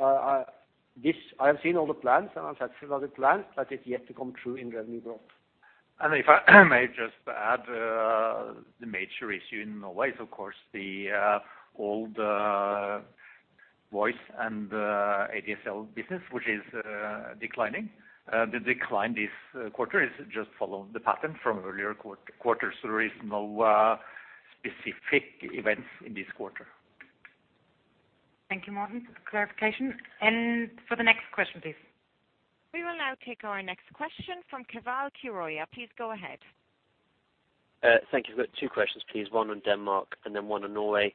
this, I have seen all the plans, and I'm satisfied with the plans, but it's yet to come true in revenue growth. If I may just add, the major issue in Norway is, of course, the old... ... voice and ADSL business, which is declining. The decline this quarter is just following the pattern from earlier quarters. There is no specific events in this quarter. Thank you, Morten, for the clarification. And for the next question, please. We will now take our next question from Keval Khiroya. Please go ahead. Thank you. I've got two questions, please, one on Denmark and then one on Norway.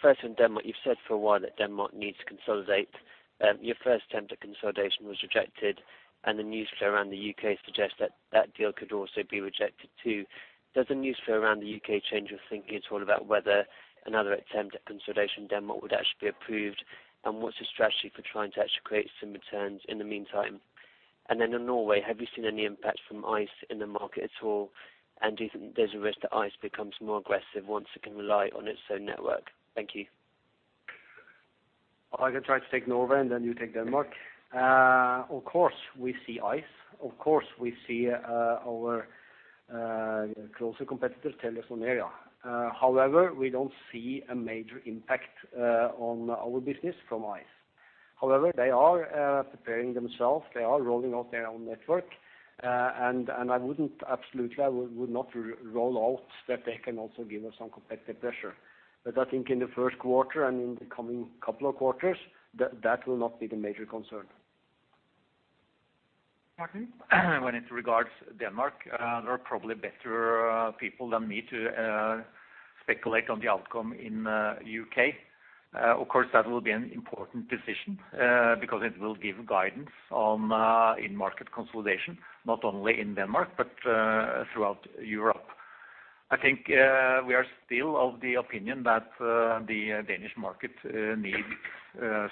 First, on Denmark, you've said for a while that Denmark needs to consolidate. Your first attempt at consolidation was rejected, and the news flow around the UK suggests that that deal could also be rejected, too. Does the news flow around the UK change your thinking at all about whether another attempt at consolidation in Denmark would actually be approved? And what's the strategy for trying to actually create some returns in the meantime? And then in Norway, have you seen any impact from Ice in the market at all, and do you think there's a risk that Ice becomes more aggressive once it can rely on its own network? Thank you. I can try to take Norway, and then you take Denmark. Of course, we see Ice. Of course, we see our closer competitor, TeliaSonera. However, we don't see a major impact on our business from Ice. However, they are preparing themselves. They are rolling out their own network, and I wouldn't absolutely, I would not rule out that they can also give us some competitive pressure. But I think in the first quarter and in the coming couple of quarters, that will not be the major concern. Morten? When it regards Denmark, there are probably better people than me to speculate on the outcome in U.K. Of course, that will be an important decision, because it will give guidance on in-market consolidation, not only in Denmark, but throughout Europe. I think we are still of the opinion that the Danish market needs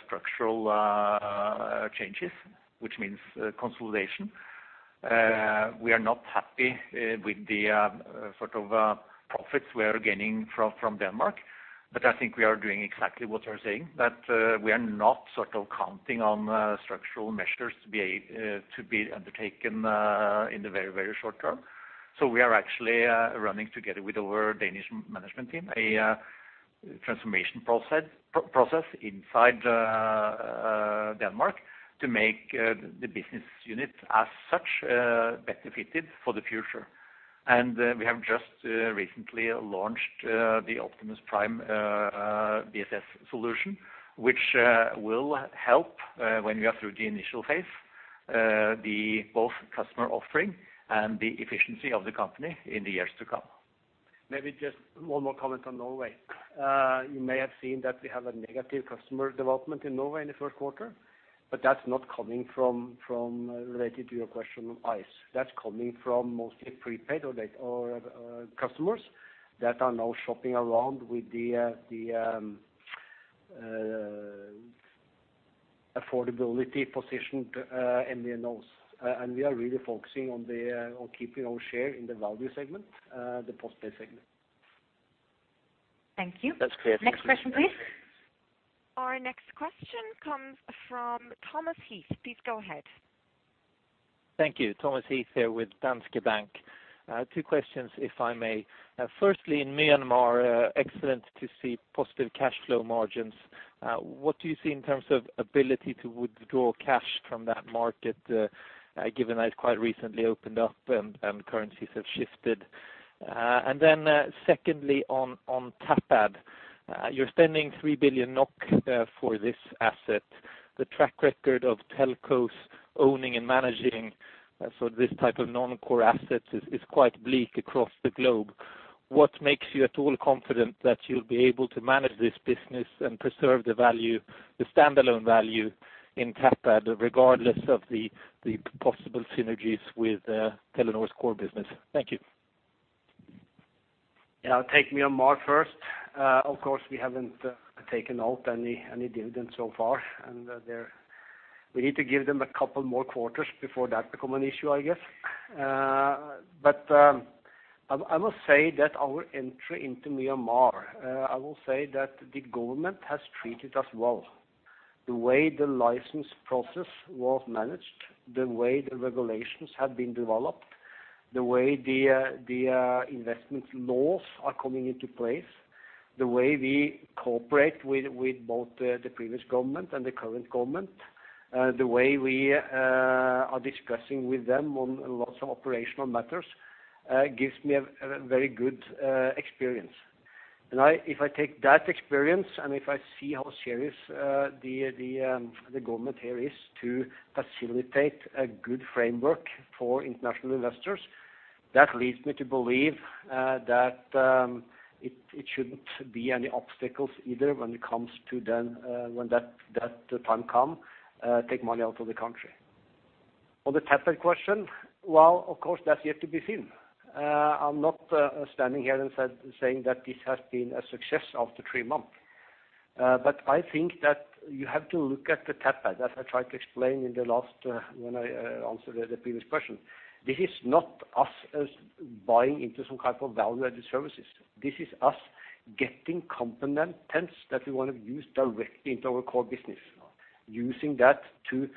structural changes, which means consolidation. We are not happy with the sort of profits we are gaining from Denmark, but I think we are doing exactly what you're saying, that we are not sort of counting on structural measures to be undertaken in the very, very short term. So we are actually running together with our Danish management team, a transformation process inside Denmark to make the business unit, as such, better fitted for the future. And we have just recently launched the Optimus Prime BSS solution, which will help, when we are through the initial phase, the both customer offering and the efficiency of the company in the years to come. Maybe just one more comment on Norway. You may have seen that we have a negative customer development in Norway in the first quarter, but that's not coming from related to your question on Ice. That's coming from mostly prepaid customers that are now shopping around with the affordability-positioned MVNOs. And we are really focusing on keeping our share in the value segment, the post-pay segment. Thank you. That's clear. Thank you. Next question, please. Our next question comes from Thomas Heath. Please go ahead. Thank you. Thomas Heath here with Danske Bank. Two questions, if I may. Firstly, in Myanmar, excellent to see positive cash flow margins. What do you see in terms of ability to withdraw cash from that market, given that it quite recently opened up and currencies have shifted? And then, secondly, on Tapad, you're spending 3 billion NOK for this asset. The track record of telcos owning and managing so this type of non-core assets is quite bleak across the globe. What makes you at all confident that you'll be able to manage this business and preserve the value, the standalone value in Tapad, regardless of the possible synergies with Telenor's core business? Thank you. Yeah, I'll take Myanmar first. Of course, we haven't taken out any dividend so far, and there. We need to give them a couple more quarters before that become an issue, I guess. But, I must say that our entry into Myanmar, I will say that the government has treated us well. The way the license process was managed, the way the regulations have been developed, the way the investment laws are coming into place, the way we cooperate with both the previous government and the current government, the way we are discussing with them on lots of operational matters, gives me a very good experience. If I take that experience, and if I see how serious the government here is to facilitate a good framework for international investors, that leads me to believe that it shouldn't be any obstacles either when it comes to then, when that time come, take money out of the country. On the Tapad question, well, of course, that's yet to be seen. I'm not standing here and saying that this has been a success after three months. But I think that you have to look at the Tapad, as I tried to explain in the last when I answered the previous question. This is not us as buying into some type of value-added services. This is us getting components that we wanna use directly into our core business. using that to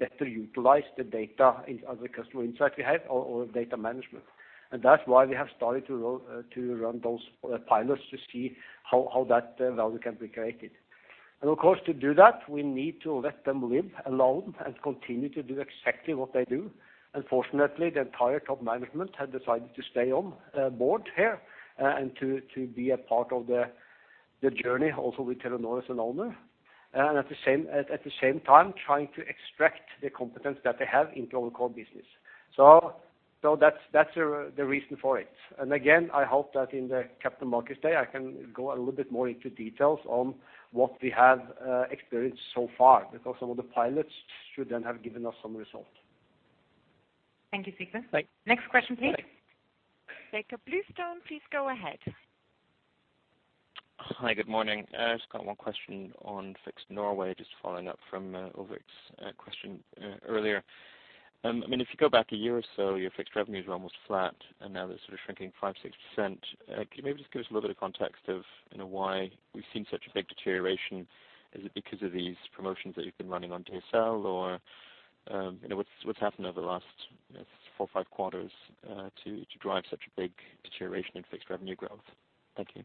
better utilize the data in as the customer insight we have or data management. And that's why we have started to roll to run those pilots to see how that value can be created. And of course, to do that, we need to let them live alone and continue to do exactly what they do. And fortunately, the entire top management had decided to stay on board here and to be a part of the journey, also with Telenor as an owner. And at the same time, trying to extract the competence that they have into our core business. So that's the reason for it. And again, I hope that in the Capital Markets Day, I can go a little bit more into details on what we have experienced so far, because some of the pilots should then have given us some result. Thank you, Sigve. Bye. Next question, please. Jakob Bluestone, please go ahead. Hi, good morning. I just got one question on fixed Norway, just following up from Ulrich's question earlier. I mean, if you go back a year or so, your fixed revenues were almost flat, and now they're sort of shrinking 5%-6%. Can you maybe just give us a little bit of context of, you know, why we've seen such a big deterioration? Is it because of these promotions that you've been running on DSL, or, you know, what's happened over the last 4-5 quarters to drive such a big deterioration in fixed revenue growth? Thank you.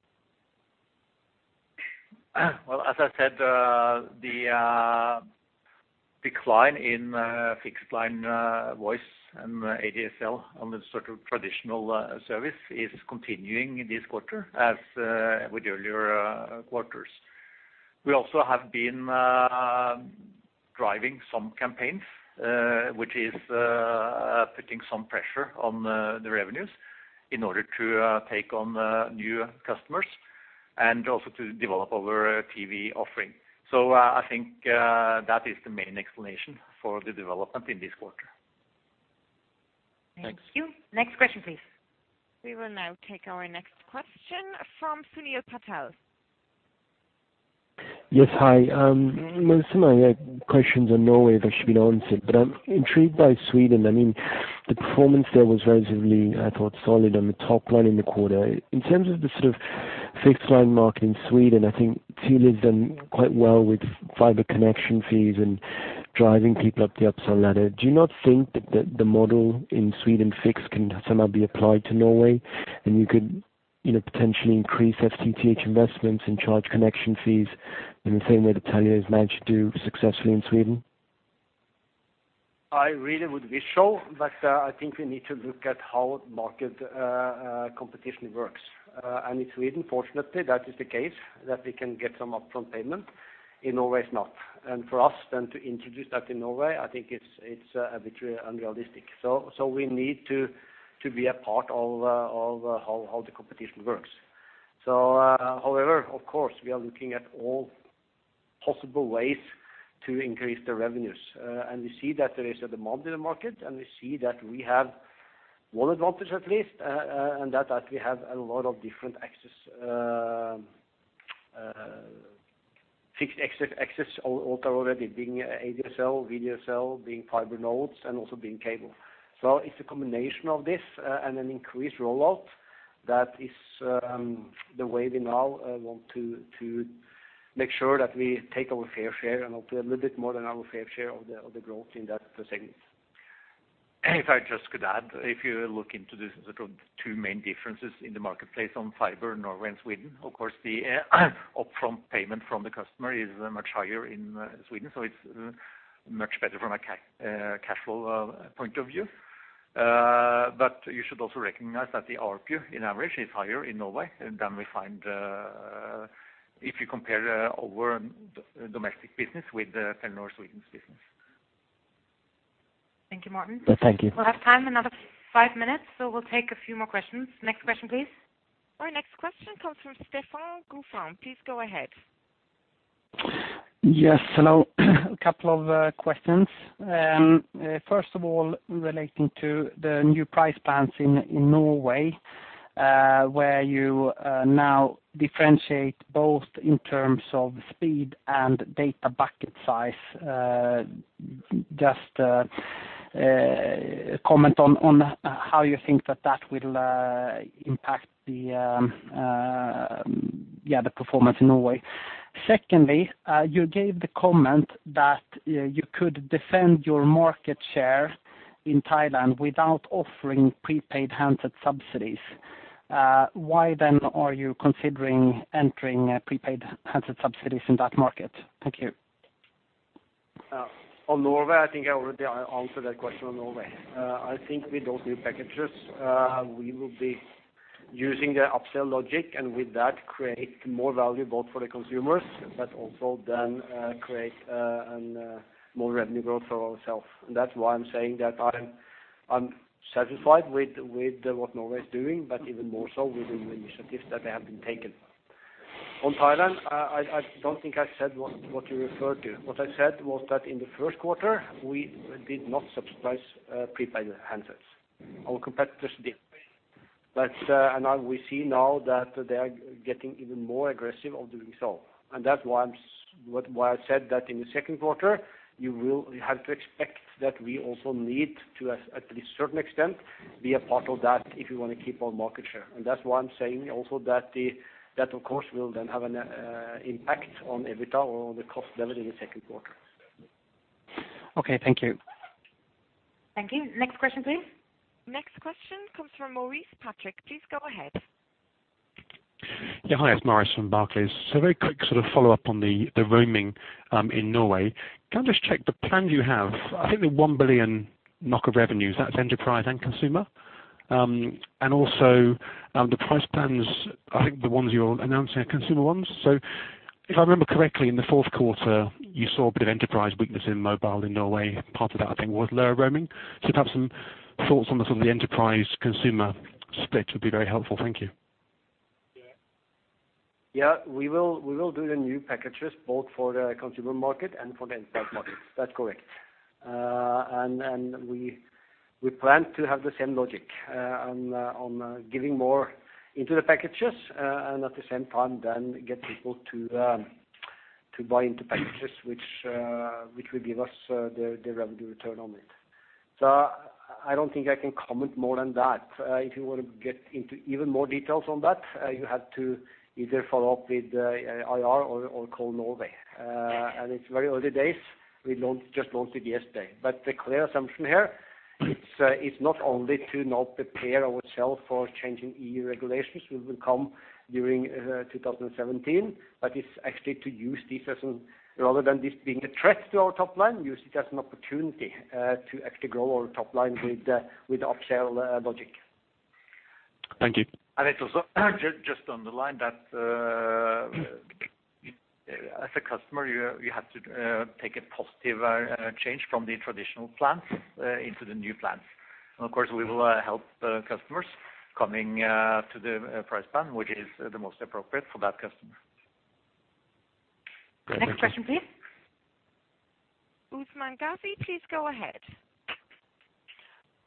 Well, as I said, the decline in fixed-line voice and ADSL on the sort of traditional service is continuing in this quarter, as with earlier quarters. We also have been driving some campaigns, which is putting some pressure on the revenues in order to take on new customers and also to develop our TV offering. So, I think that is the main explanation for the development in this quarter. Thanks. Thank you. Next question, please. We will now take our next question from Sunil Patel. Yes, hi. Most of my questions are Norway, that should be answered, but I'm intrigued by Sweden. I mean, the performance there was relatively, I thought, solid on the top line in the quarter. In terms of the sort of fixed-line market in Sweden, I think Telia has done quite well with fiber connection fees and driving people up the upsell ladder. Do you not think that the, the model in Sweden fixed can somehow be applied to Norway, and you could, you know, potentially increase FTTH investments and charge connection fees in the same way that Telia has managed to do successfully in Sweden? I really would wish so, but, I think we need to look at how market competition works. And in Sweden, fortunately, that is the case, that we can get some upfront payment. In Norway, it's not. And for us then to introduce that in Norway, I think it's a bit unrealistic. So, we need to be a part of how the competition works. So, however, of course, we are looking at all possible ways to increase the revenues. And we see that there is a demand in the market, and we see that we have one advantage at least, and that is we have a lot of different access, fixed access, access already, being ADSL, VDSL, being fiber nodes, and also being cable. So it's a combination of this and an increased rollout that is the way we now want to make sure that we take our fair share, and hopefully a little bit more than our fair share of the growth in that segment. If I just could add, if you look into this, the two main differences in the marketplace on fiber, Norway and Sweden, of course, the upfront payment from the customer is much higher in Sweden, so it's much better from a cash flow point of view. But you should also recognize that the ARPU, on average, is higher in Norway than we find if you compare our domestic business with the Telenor Sweden's business. Thank you, Morten. Thank you. We'll have time, another 5 minutes, so we'll take a few more questions. Next question, please. Our next question comes from Stefan Gauffin. Please go ahead. Yes, hello. A couple of questions. First of all, relating to the new price plans in Norway, where you now differentiate both in terms of speed and data bucket size. Just comment on how you think that will impact the performance in Norway. Secondly, you gave the comment that you could defend your market share in Thailand without offering prepaid handset subsidies. Why then are you considering entering a prepaid handset subsidies in that market? Thank you. On Norway, I think I already answered that question on Norway. I think with those new packages, we will be using the upsell logic, and with that, create more value both for the consumers, but also then create more revenue growth for ourselves. And that's why I'm saying that I'm satisfied with what Norway is doing, but even more so with the new initiatives that have been taken. On Thailand, I don't think I said what you referred to. What I said was that in the first quarter, we did not subsidize prepaid handsets. Our competitors did. But, and now we see now that they are getting even more aggressive of doing so. And that's why I'm why I said that in the second quarter, you will have to expect that we also need to, at least certain extent, be a part of that if we wanna keep our market share. And that's why I'm saying also that that, of course, will then have an impact on EBITDA or the cost level in the second quarter. Okay, thank you. Thank you. Next question, please. Next question comes from Maurice Patrick, please go ahead. Yeah. Hi, it's Maurice from Barclays. So very quick sort of follow-up on the roaming in Norway. Can I just check the plan you have? I think the 1 billion NOK of revenues, that's enterprise and consumer? And also, the price plans, I think the ones you're announcing are consumer ones. So if I remember correctly, in the fourth quarter, you saw a bit of enterprise weakness in mobile in Norway. Part of that, I think, was lower roaming. So to have some thoughts on some of the enterprise consumer split would be very helpful. Thank you. Yeah, we will do the new packages, both for the consumer market and for the enterprise market. That's correct. And we plan to have the same logic on giving more into the packages, and at the same time then get people to buy into packages, which will give us the revenue return on it. So I don't think I can comment more than that. If you want to get into even more details on that, you have to either follow up with IR or call Norway. And it's very early days. We just launched it yesterday. But the clear assumption here, it's not only to not prepare ourselves for changing EU regulations, which will come during 2017, but it's actually to use this as rather than this being a threat to our top line, use it as an opportunity to actually grow our top line with upsell logic. Thank you. And it's also just on the line that, as a customer, you have to take a positive change from the traditional plans into the new plans. And of course, we will help the customers coming to the price plan, which is the most appropriate for that customer. Next question, please. Usman Ghazi, please go ahead.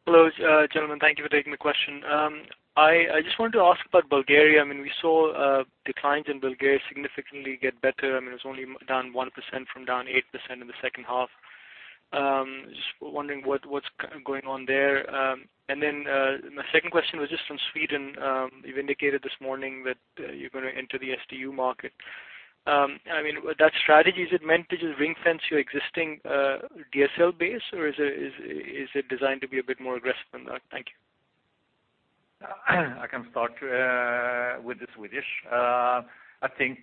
Hello, gentlemen, thank you for taking the question. I just wanted to ask about Bulgaria. I mean, we saw declines in Bulgaria significantly get better. I mean, it's only down 1% from down 8% in the second half. Just wondering what's going on there? And then, my second question was just from Sweden. You've indicated this morning that you're gonna enter the SDU market. I mean, with that strategy, is it meant to just ring-fence your existing DSL base, or is it designed to be a bit more aggressive than that? Thank you. I can start with the Swedish. I think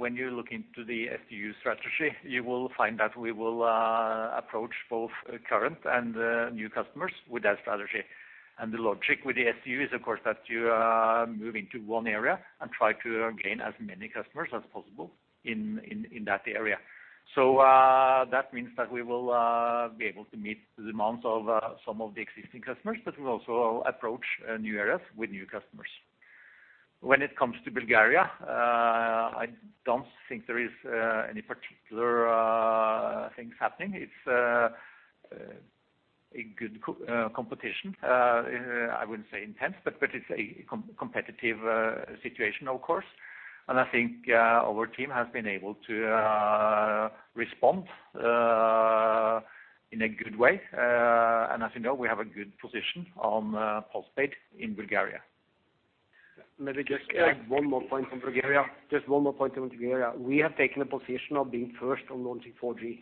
when you look into the SDU strategy, you will find that we will approach both current and new customers with that strategy. And the logic with the SDU is, of course, that you move into one area and try to gain as many customers as possible in that area. So that means that we will be able to meet the demands of some of the existing customers, but we'll also approach new areas with new customers. When it comes to Bulgaria, I don't think there is any particular things happening. It's a good competition. I wouldn't say intense, but it's a competitive situation, of course, and I think our team has been able to respond in a good way. And as you know, we have a good position on postpaid in Bulgaria. Maybe just one more point on Bulgaria. Just one more point on Bulgaria. We have taken a position of being first on launching 4G,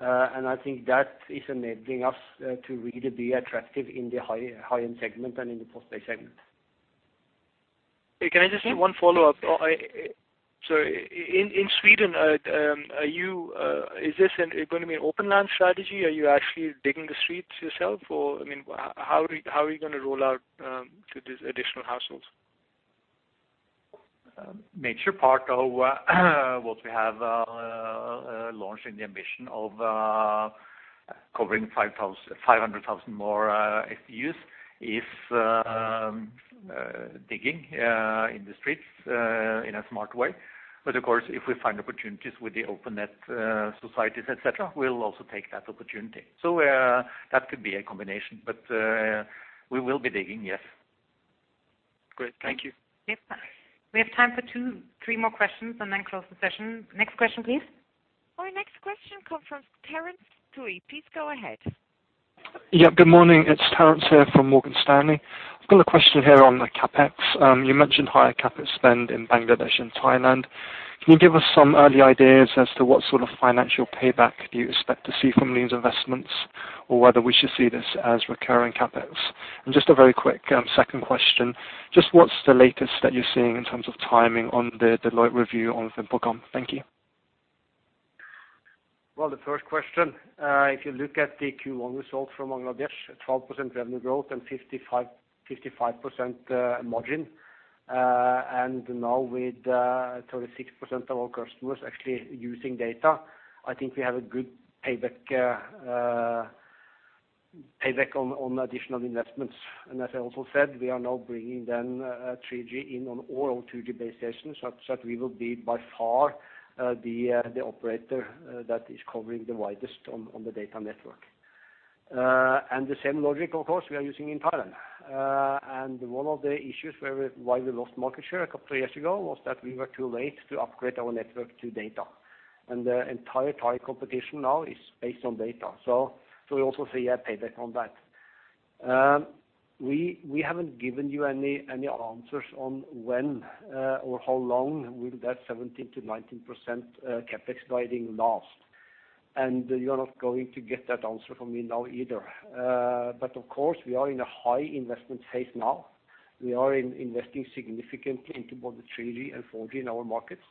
and I think that is enabling us to really be attractive in the high-end segment and in the postpaid segment. Can I just do one follow-up? So in, in Sweden, are you, is this an, gonna be an open LAN strategy? Are you actually digging the streets yourself? Or, I mean, how are you, how are you gonna roll out, to these additional households? Major part of what we have launched in the ambition of covering 500,000 more SDUs is digging in the streets in a smart way. But of course, if we find opportunities with the open net societies, et cetera, we'll also take that opportunity. That could be a combination, but we will be digging, yes. Great. Thank you. Yes, we have time for two, three more questions and then close the session. Next question, please. Our next question comes from Terence Tsui. Please go ahead. Yeah, good morning. It's Terence here from Morgan Stanley. I've got a question here on the CapEx. You mentioned higher CapEx spend in Bangladesh and Thailand. Can you give us some early ideas as to what sort of financial payback you expect to see from these investments? Or whether we should see this as recurring CapEx? And just a very quick second question: Just what's the latest that you're seeing in terms of timing on the Deloitte review on VimpelCom? Thank you. Well, the first question, if you look at the Q1 results from Bangladesh, 12% revenue growth and 55% margin, and now with 36% of our customers actually using data, I think we have a good payback on additional investments. And as I also said, we are now bringing 3G in on all our 2G base stations, so that we will be by far the operator that is covering the widest on the data network. And the same logic, of course, we are using in Thailand. And one of the issues where we, why we lost market share a couple of years ago, was that we were too late to upgrade our network to data, and the entire Thai competition now is based on data. So, we also see a payback on that. We haven't given you any answers on when or how long will that 17%-19% CapEx guiding last. And you're not going to get that answer from me now either. But of course, we are in a high investment phase now. We are investing significantly into both the 3G and 4G in our markets.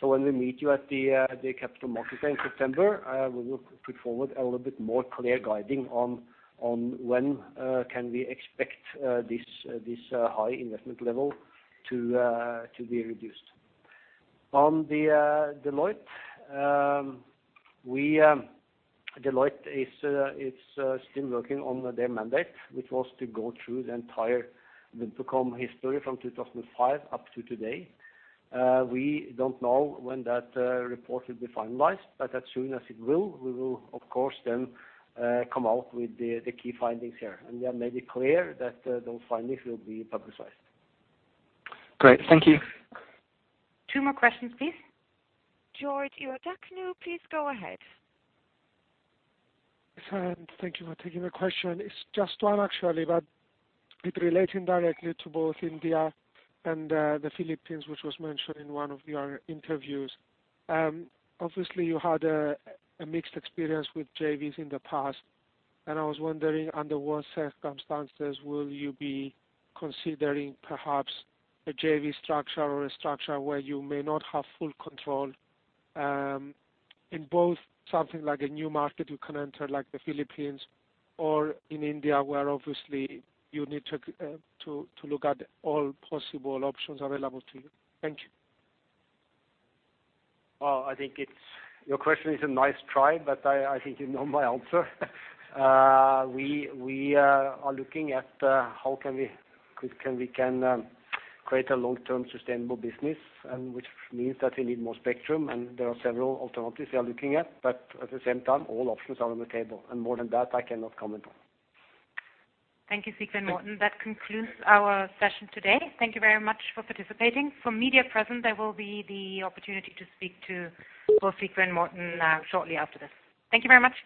So when we meet you at the Capital Markets Day in September, we will put forward a little bit more clear guiding on when can we expect this high investment level to be reduced. On the Deloitte, Deloitte is still working on their mandate, which was to go through the entire VimpelCom history from 2005 up to today. We don't know when that report will be finalized, but as soon as it will, we will, of course, then come out with the key findings here. We have made it clear that those findings will be publicized. Great. Thank you. Two more questions, please. George Ierodiaconou, please go ahead. Thank you for taking the question. It's just one, actually, but it's relating directly to both India and the Philippines, which was mentioned in one of your interviews. Obviously, you had a mixed experience with JVs in the past, and I was wondering, under what circumstances will you be considering perhaps a JV structure or a structure where you may not have full control, in both something like a new market you can enter, like the Philippines or in India, where obviously you need to look at all possible options available to you? Thank you. Well, I think it's your question is a nice try, but I think you know my answer. We are looking at how we can create a long-term sustainable business, and which means that we need more spectrum, and there are several alternatives we are looking at, but at the same time, all options are on the table, and more than that, I cannot comment on. Thank you, Sigve and Morten. That concludes our session today. Thank you very much for participating. For media present, there will be the opportunity to speak to both Sigve and Morten, shortly after this. Thank you very much.